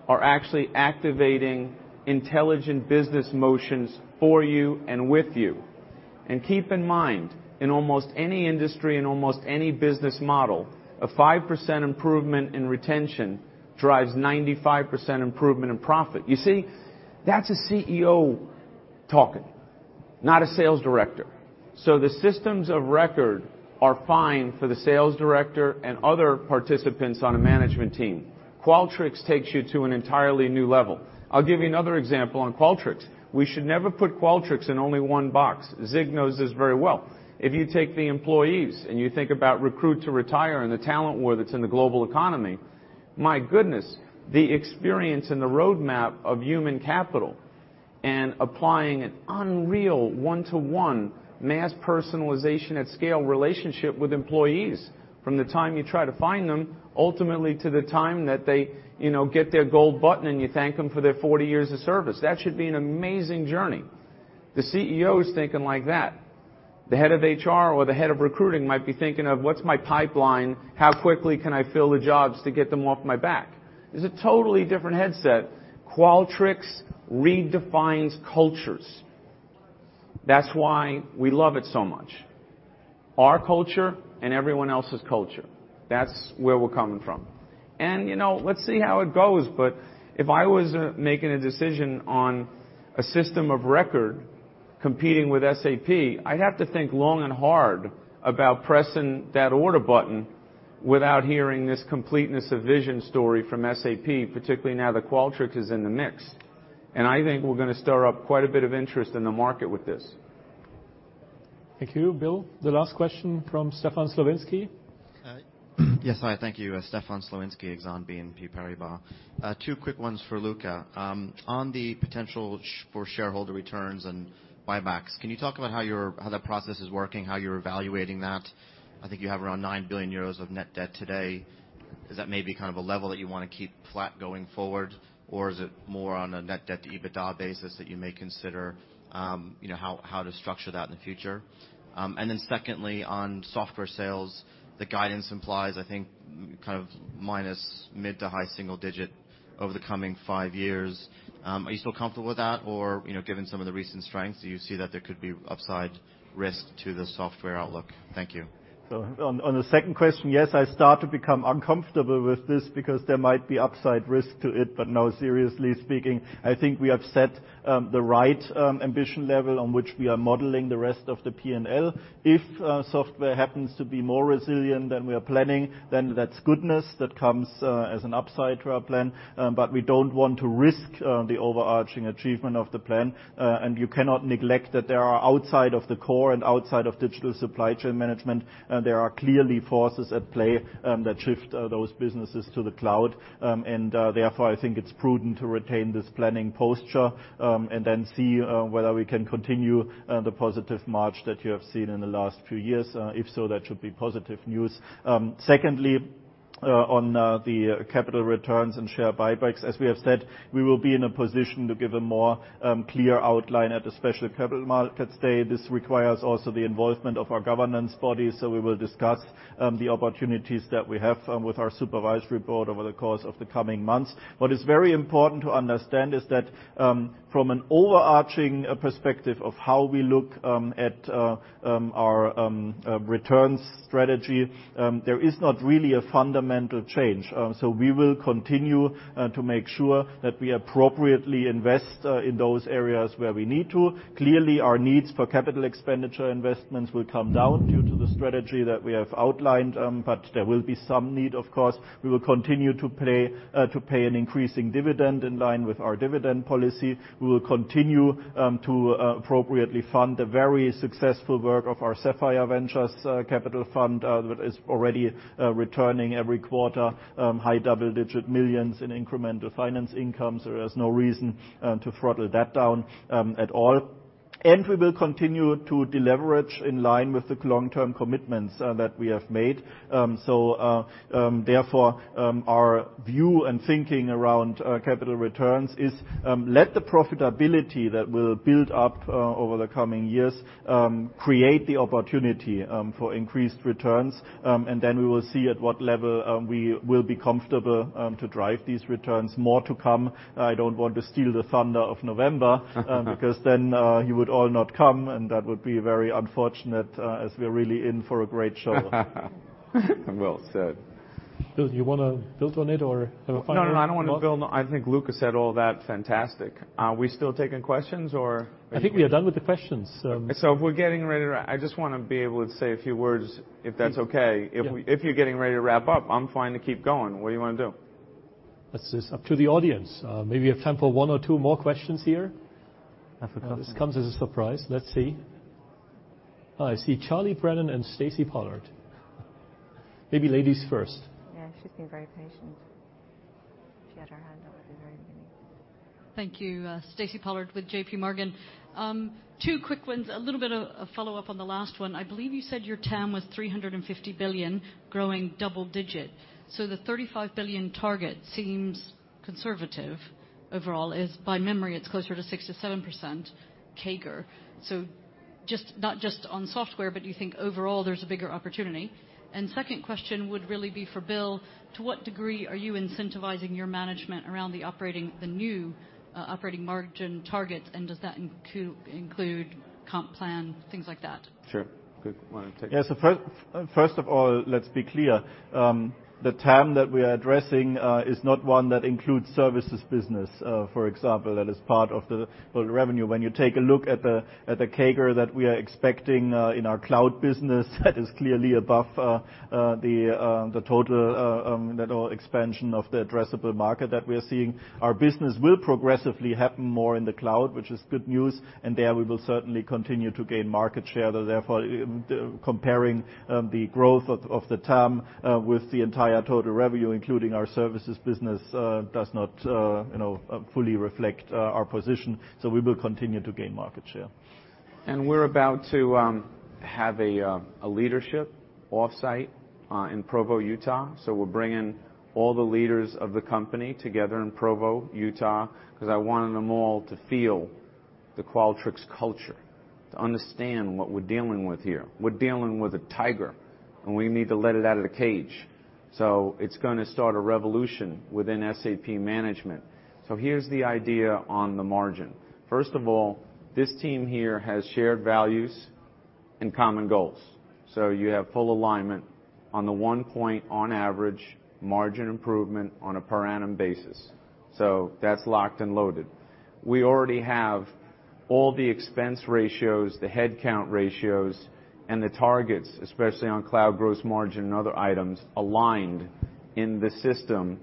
are actually activating intelligent business motions for you and with you. Keep in mind, in almost any industry, in almost any business model, a 5% improvement in retention drives 995% improvement in profit. You see, that's a CEO talking, not a sales director. The systems of record are fine for the sales director and other participants on a management team. Qualtrics takes you to an entirely new level. I'll give you another example on Qualtrics. We should never put Qualtrics in only one box. Zig knows this very well. If you take the employees and you think about recruit to retire and the talent war that's in the global economy, my goodness, the experience and the roadmap of human capital and applying an unreal one-to-one mass personalization at scale relationship with employees from the time you try to find them, ultimately to the time that they get their gold button and you thank them for their 40 years of service. That should be an amazing journey. The CEO is thinking like that. The head of HR or the head of recruiting might be thinking of, "What's my pipeline? How quickly can I fill the jobs to get them off my back?" It's a totally different headset. Qualtrics redefines cultures. That's why we love it so much. Our culture and everyone else's culture. That's where we're coming from. Let's see how it goes, but if I was making a decision on a system of record competing with SAP, I'd have to think long and hard about pressing that order button without hearing this completeness of vision story from SAP, particularly now that Qualtrics is in the mix. I think we're going to stir up quite a bit of interest in the market with this. Thank you, Bill. The last question from Stefan Slowinski. Yes. Hi, thank you. Stefan Slowinski, Exane BNP Paribas. Two quick ones for Luka. On the potential for shareholder returns and buybacks, can you talk about how that process is working, how you're evaluating that? I think you have around 9 billion euros of net debt today. Is that maybe a level that you want to keep flat going forward, or is it more on a net debt to EBITDA basis that you may consider, how to structure that in the future? Secondly, on software sales, the guidance implies, I think, minus mid to high single digit over the coming five years. Are you still comfortable with that? Given some of the recent strength, do you see that there could be upside risk to the software outlook? Thank you. On the second question, yes, I start to become uncomfortable with this because there might be upside risk to it. No, seriously speaking, I think we have set the right ambition level on which we are modeling the rest of the P&L. If software happens to be more resilient than we are planning, then that's goodness that comes as an upside to our plan. You cannot neglect that there are outside of the core and outside of digital supply chain management, there are clearly forces at play that shift those businesses to the cloud. Therefore, I think it's prudent to retain this planning posture, then see whether we can continue the positive march that you have seen in the last few years. If so, that should be positive news. Secondly, on the capital returns and share buybacks, as we have said, we will be in a position to give a more clear outline at the special capital markets day. This requires also the involvement of our governance body, we will discuss the opportunities that we have with our supervisory board over the course of the coming months. What is very important to understand is that from an overarching perspective of how we look at our returns strategy, there is not really a fundamental change. We will continue to make sure that we appropriately invest in those areas where we need to. Clearly, our needs for capital expenditure investments will come down due to the strategy that we have outlined. There will be some need, of course. We will continue to pay an increasing dividend in line with our dividend policy. We will continue to appropriately fund the very successful work of our Sapphire Ventures capital fund, that is already returning every quarter high double-digit millions in incremental finance income. There is no reason to throttle that down at all. We will continue to deleverage in line with the long-term commitments that we have made. Therefore, our view and thinking around capital returns is let the profitability that will build up over the coming years create the opportunity for increased returns. Then we will see at what level we will be comfortable to drive these returns. More to come. I don't want to steal the thunder of November. Then you would all not come, and that would be very unfortunate, as we're really in for a great show. Well said. Bill, do you want to build on it or have a final thought? No, I don't want to build. I think Luka said all that fantastic. Are we still taking questions? I think we are done with the questions. If we're getting ready to wrap, I just want to be able to say a few words, if that's okay. Yeah. If you're getting ready to wrap up, I'm fine to keep going. What do you want to do? This is up to the audience. Maybe we have time for one or two more questions here. I have a couple. This comes as a surprise. Let's see. I see Charles Brennan and Stacy Pollard. Maybe ladies first. Yeah, she's been very patient. She had her hand up at the very beginning. Thank you. Stacy Pollard with JPMorgan. Two quick ones, a little bit of follow-up on the last one. I believe you said your TAM was 350 billion, growing double digit. The 35 billion target seems conservative overall as, by memory, it's closer to 6%-7% CAGR. Not just on software, but you think overall there's a bigger opportunity. Second question would really be for Bill. To what degree are you incentivizing your management around the new operating margin targets, and does that include comp plan, things like that? Sure. Bill, you want to take it? Yeah. First of all, let's be clear. The TAM that we are addressing is not one that includes services business, for example. That is part of the total revenue. When you take a look at the CAGR that we are expecting in our cloud business, that is clearly above the total expansion of the addressable market that we are seeing. Our business will progressively happen more in the cloud, which is good news, and there we will certainly continue to gain market share. Therefore, comparing the growth of the TAM with the entire total revenue, including our services business, does not fully reflect our position. We will continue to gain market share. We're about to have a leadership offsite in Provo, Utah. We're bringing all the leaders of the company together in Provo, Utah, because I wanted them all to feel the Qualtrics culture, to understand what we're dealing with here. We're dealing with a tiger, and we need to let it out of the cage. It's going to start a revolution within SAP management. Here's the idea on the margin. First of all, this team here has shared values and common goals. You have full alignment on the one point on average margin improvement on a per annum basis. That's locked and loaded. We already have all the expense ratios, the headcount ratios, and the targets, especially on cloud gross margin and other items, aligned in the system.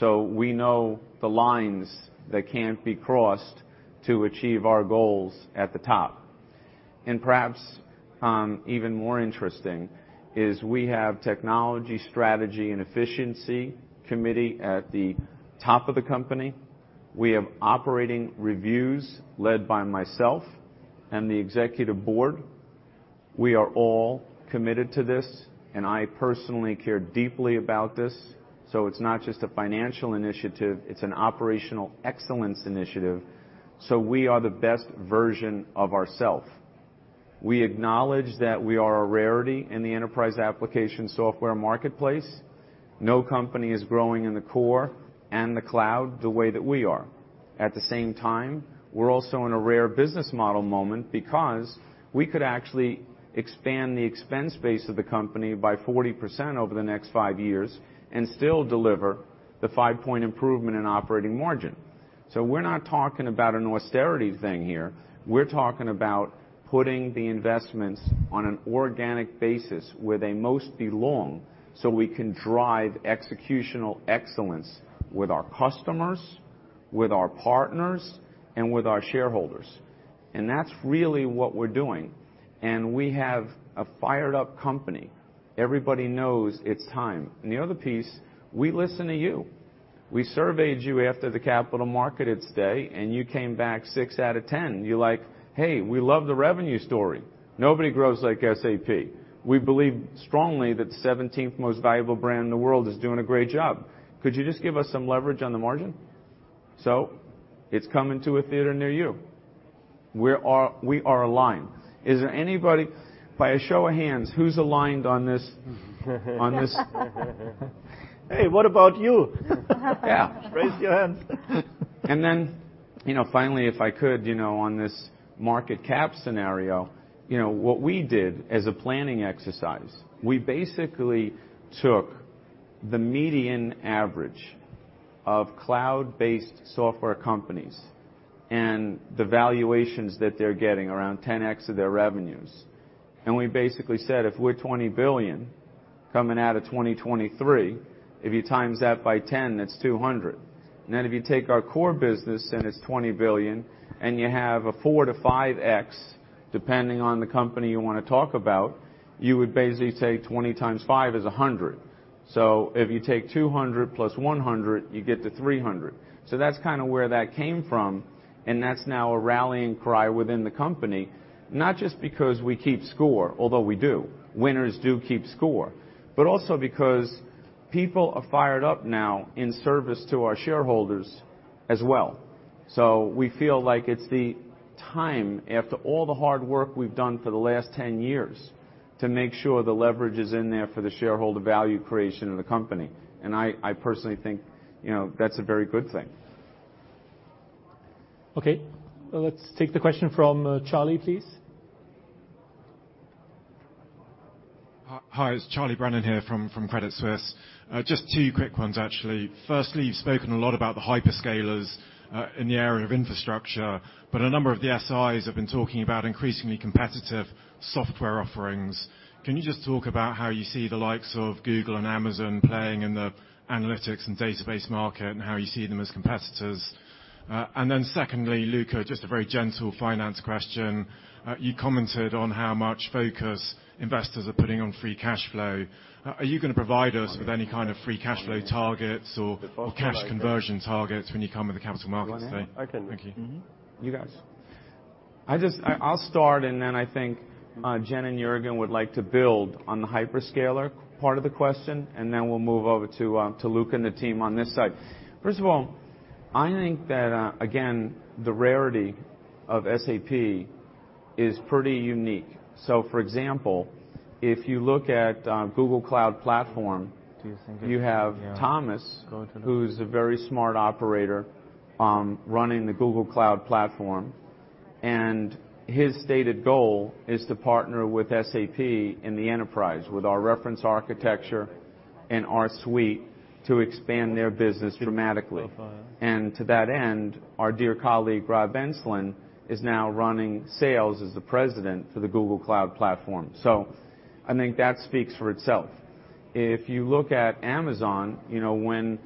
We know the lines that can't be crossed to achieve our goals at the top. Perhaps, even more interesting is we have technology, strategy, and efficiency committee at the top of the company. We have operating reviews led by myself and the executive board. We are all committed to this, and I personally care deeply about this. It's not just a financial initiative, it's an operational excellence initiative. We are the best version of ourself. We acknowledge that we are a rarity in the enterprise application software marketplace. No company is growing in the core and the cloud the way that we are. At the same time, we're also in a rare business model moment because we could actually expand the expense base of the company by 40% over the next five years and still deliver the five-point improvement in operating margin. We're not talking about an austerity thing here. We're talking about putting the investments on an organic basis where they most belong, so we can drive executional excellence with our customers, with our partners, and with our shareholders. That's really what we're doing. We have a fired up company. Everybody knows it's time. The other piece, we listen to you. We surveyed you after the capital markets day, and you came back six out of 10. You're like, "Hey, we love the revenue story. Nobody grows like SAP. We believe strongly that 17th most valuable brand in the world is doing a great job. Could you just give us some leverage on the margin?" It's coming to a theater near you. We are aligned. Is there anybody, by a show of hands, who's aligned on this? Hey, what about you? Yeah. Raise your hand. Finally, if I could, on this market cap scenario, what we did as a planning exercise, we basically took the median average of cloud-based software companies and the valuations that they're getting around 10x of their revenues. We basically said, if we're 20 billion coming out of 2023, if you times that by 10, that's 200 billion. If you take our core business and it's 20 billion, and you have a 4x to 5x, depending on the company you want to talk about, you would basically say 20 times five is 100 billion. If you take 200 billion plus 100 billion, you get to 300 billion. That's where that came from, and that's now a rallying cry within the company, not just because we keep score, although we do. Winners do keep score. Also because people are fired up now in service to our shareholders as well. We feel like it's the time, after all the hard work we've done for the last 10 years, to make sure the leverage is in there for the shareholder value creation of the company. I personally think that's a very good thing. Okay. Let's take the question from Charlie, please. Hi. It's Charlie Brennan here from Credit Suisse. Just two quick ones, actually. Firstly, you've spoken a lot about the hyperscalers in the area of infrastructure, but a number of the SIs have been talking about increasingly competitive software offerings. Can you just talk about how you see the likes of Google and Amazon playing in the analytics and database market, and how you see them as competitors? Secondly, Luka, just a very gentle finance question. You commented on how much focus investors are putting on free cash flow. Are you going to provide us with any kind of free cash flow targets or cash conversion targets when you come to the capital markets day? You want to? I can. Thank you. You guys. I'll start, then I think Jen and Juergen would like to build on the hyperscaler part of the question, then we'll move over to Luka and the team on this side. First of all, I think that, again, the rarity of SAP is pretty unique. For example, if you look at Google Cloud Platform, you have Thomas, who's a very smart operator, running the Google Cloud Platform, his stated goal is to partner with SAP in the enterprise with our reference architecture and our suite to expand their business dramatically. To that end, our dear colleague, Rob Enslin, is now running sales as the president for the Google Cloud Platform. I think that speaks for itself. If you look at Amazon, when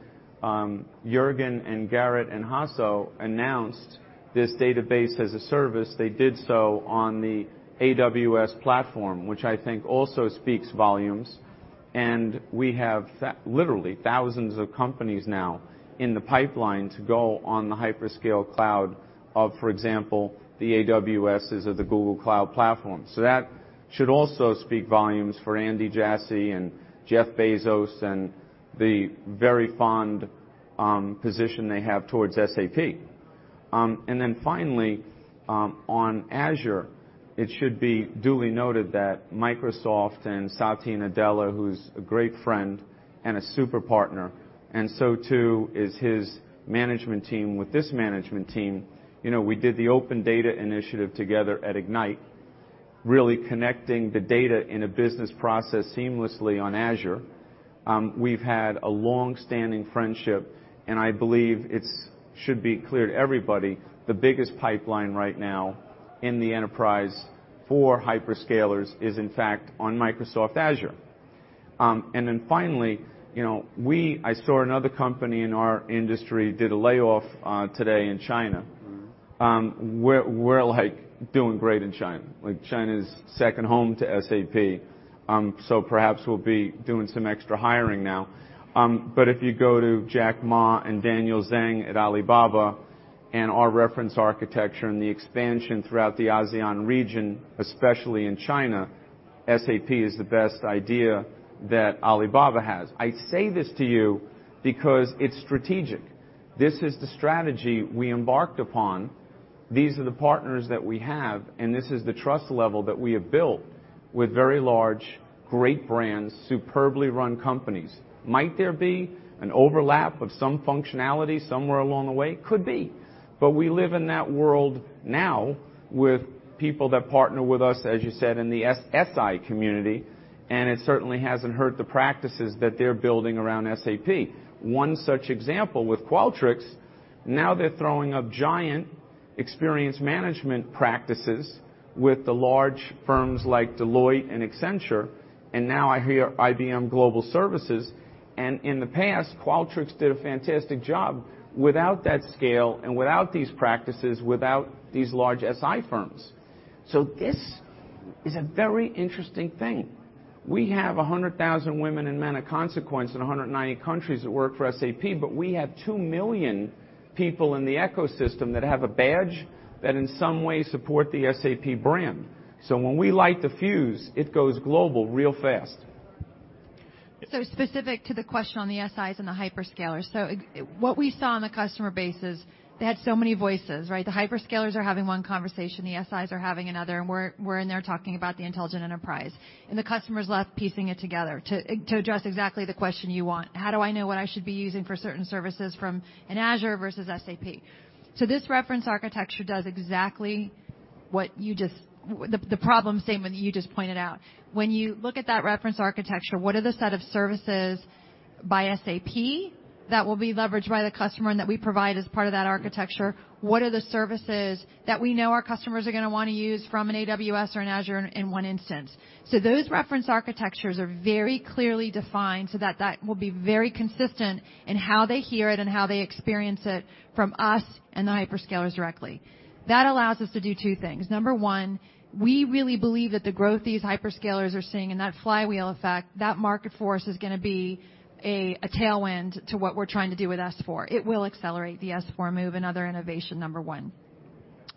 Juergen and Jared and Hasso announced this database-as-a-service, they did so on the AWS platform, which I think also speaks volumes. We have literally thousands of companies now in the pipeline to go on the hyperscale cloud of, for example, the AWS' or the Google Cloud Platform. That should also speak volumes for Andy Jassy and Jeff Bezos and the very fond position they have towards SAP. Finally, on Azure, it should be duly noted that Microsoft and Satya Nadella, who's a great friend and a super partner, so too is his management team. With this management team, we did the Open Data Initiative together at Ignite, really connecting the data in a business process seamlessly on Azure. We've had a long-standing friendship, I believe it should be clear to everybody, the biggest pipeline right now in the enterprise for hyperscalers is in fact on Microsoft Azure. Then finally, I saw another company in our industry did a layoff today in China. We're doing great in China. Like, China's second home to SAP. Perhaps we'll be doing some extra hiring now. If you go to Jack Ma and Daniel Zhang at Alibaba and our reference architecture and the expansion throughout the ASEAN region, especially in China, SAP is the best idea that Alibaba has. I say this to you because it's strategic. This is the strategy we embarked upon, these are the partners that we have, and this is the trust level that we have built with very large, great brands, superbly run companies. Might there be an overlap of some functionality somewhere along the way? Could be. We live in that world now with people that partner with us, as you said, in the SI community, and it certainly hasn't hurt the practices that they're building around SAP. One such example with Qualtrics, now they're throwing up giant experience management practices with the large firms like Deloitte and Accenture, and now IBM Global Services. In the past, Qualtrics did a fantastic job without that scale and without these practices, without these large SI firms. This is a very interesting thing. We have 100,000 women and men of consequence in 190 countries that work for SAP, but we have 2 million people in the ecosystem that have a badge that in some way support the SAP brand. When we light the fuse, it goes global real fast. Specific to the question on the SIs and the hyperscalers. What we saw on the customer base is they had so many voices, right? The hyperscalers are having one conversation, the SIs are having another, and we're in there talking about the intelligent enterprise. The customers are left piecing it together. To address exactly the question you want, how do I know what I should be using for certain services from an Azure versus SAP? This reference architecture does exactly the problem statement that you just pointed out. When you look at that reference architecture, what are the set of services by SAP that will be leveraged by the customer and that we provide as part of that architecture? What are the services that we know our customers are going to want to use from an AWS or an Azure in one instance? Those reference architectures are very clearly defined so that that will be very consistent in how they hear it and how they experience it from us and the hyperscalers directly. That allows us to do two things. Number one, we really believe that the growth these hyperscalers are seeing and that flywheel effect, that market force is going to be a tailwind to what we are trying to do with S/4. It will accelerate the S/4 move and other innovation, number one.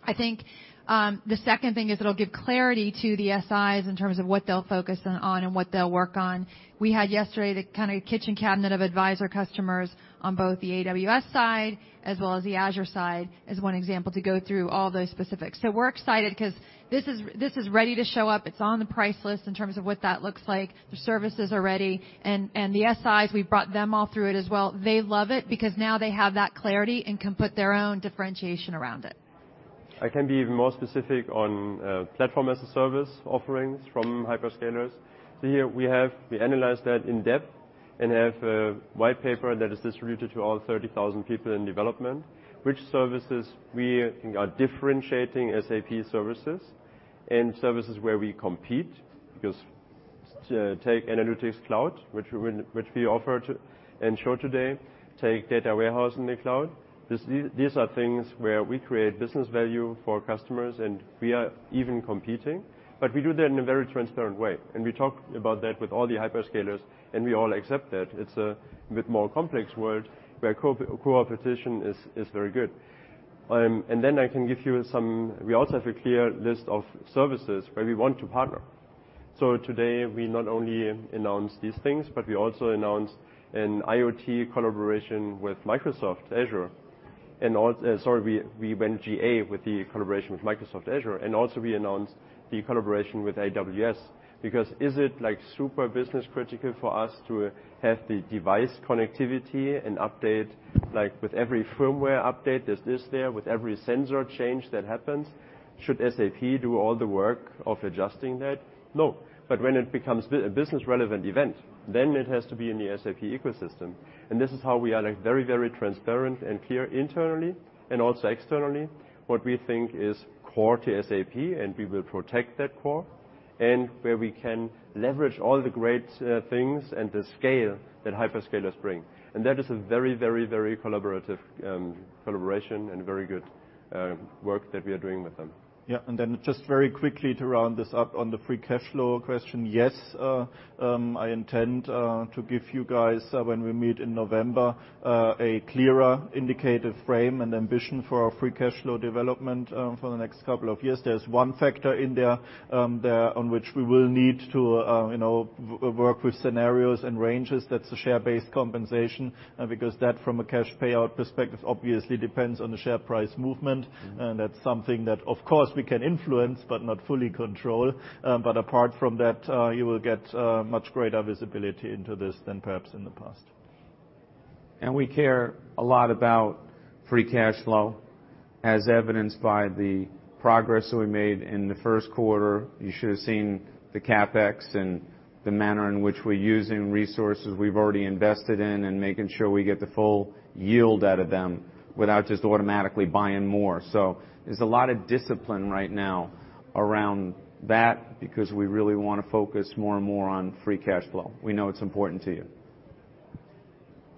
I think, the second thing is it will give clarity to the SIs in terms of what they will focus on and what they will work on. We had yesterday, the kind of kitchen cabinet of advisor customers on both the AWS side as well as the Azure side, as one example, to go through all those specifics. We are excited because this is ready to show up. It is on the price list in terms of what that looks like. The services are ready. The SIs, we have brought them all through it as well. They love it because now they have that clarity and can put their own differentiation around it. I can be even more specific on platform as a service offerings from hyperscalers. Here, we analyzed that in depth and have a white paper that is distributed to all 30,000 people in development. Which services we are differentiating SAP services and services where we compete, because take Analytics Cloud, which we offer and show today, take data warehouse in the cloud. These are things where we create business value for customers, and we are even competing. We do that in a very transparent way, and we talk about that with all the hyperscalers, and we all accept that. It is a bit more complex world where coopetition is very good. We also have a clear list of services where we want to partner. Today, we not only announced these things, but we also announced an IoT collaboration with Microsoft Azure. Sorry, we went GA with the collaboration with Microsoft Azure, also we announced the collaboration with AWS. Is it super business critical for us to have the device connectivity and update, like with every firmware update, there is this there, with every sensor change that happens? Should SAP do all the work of adjusting that? No. When it becomes a business relevant event, then it has to be in the SAP ecosystem. This is how we are very transparent and clear internally and also externally, what we think is core to SAP, and we will protect that core. Where we can leverage all the great things and the scale that hyperscalers bring. That is a very collaborative collaboration and very good work that we are doing with them. Then just very quickly to round this up on the free cash flow question. Yes, I intend to give you guys, when we meet in November, a clearer indicative frame and ambition for our free cash flow development for the next couple of years. There's one factor in there, on which we will need to work with scenarios and ranges. That's the share-based compensation. That, from a cash payout perspective, obviously depends on the share price movement. That's something that, of course, we can influence but not fully control. Apart from that, you will get much greater visibility into this than perhaps in the past. We care a lot about free cash flow, as evidenced by the progress that we made in the first quarter. You should have seen the CapEx and the manner in which we're using resources we've already invested in and making sure we get the full yield out of them without just automatically buying more. There's a lot of discipline right now around that because we really want to focus more and more on free cash flow. We know it's important to you.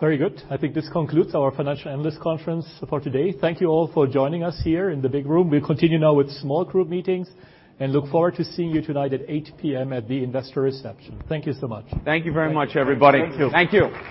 Very good. I think this concludes our financial analyst conference for today. Thank you all for joining us here in the big room. We'll continue now with small group meetings and look forward to seeing you tonight at 8:00 P.M. at the investor reception. Thank you so much. Thank you very much, everybody. Thank you. Thank you.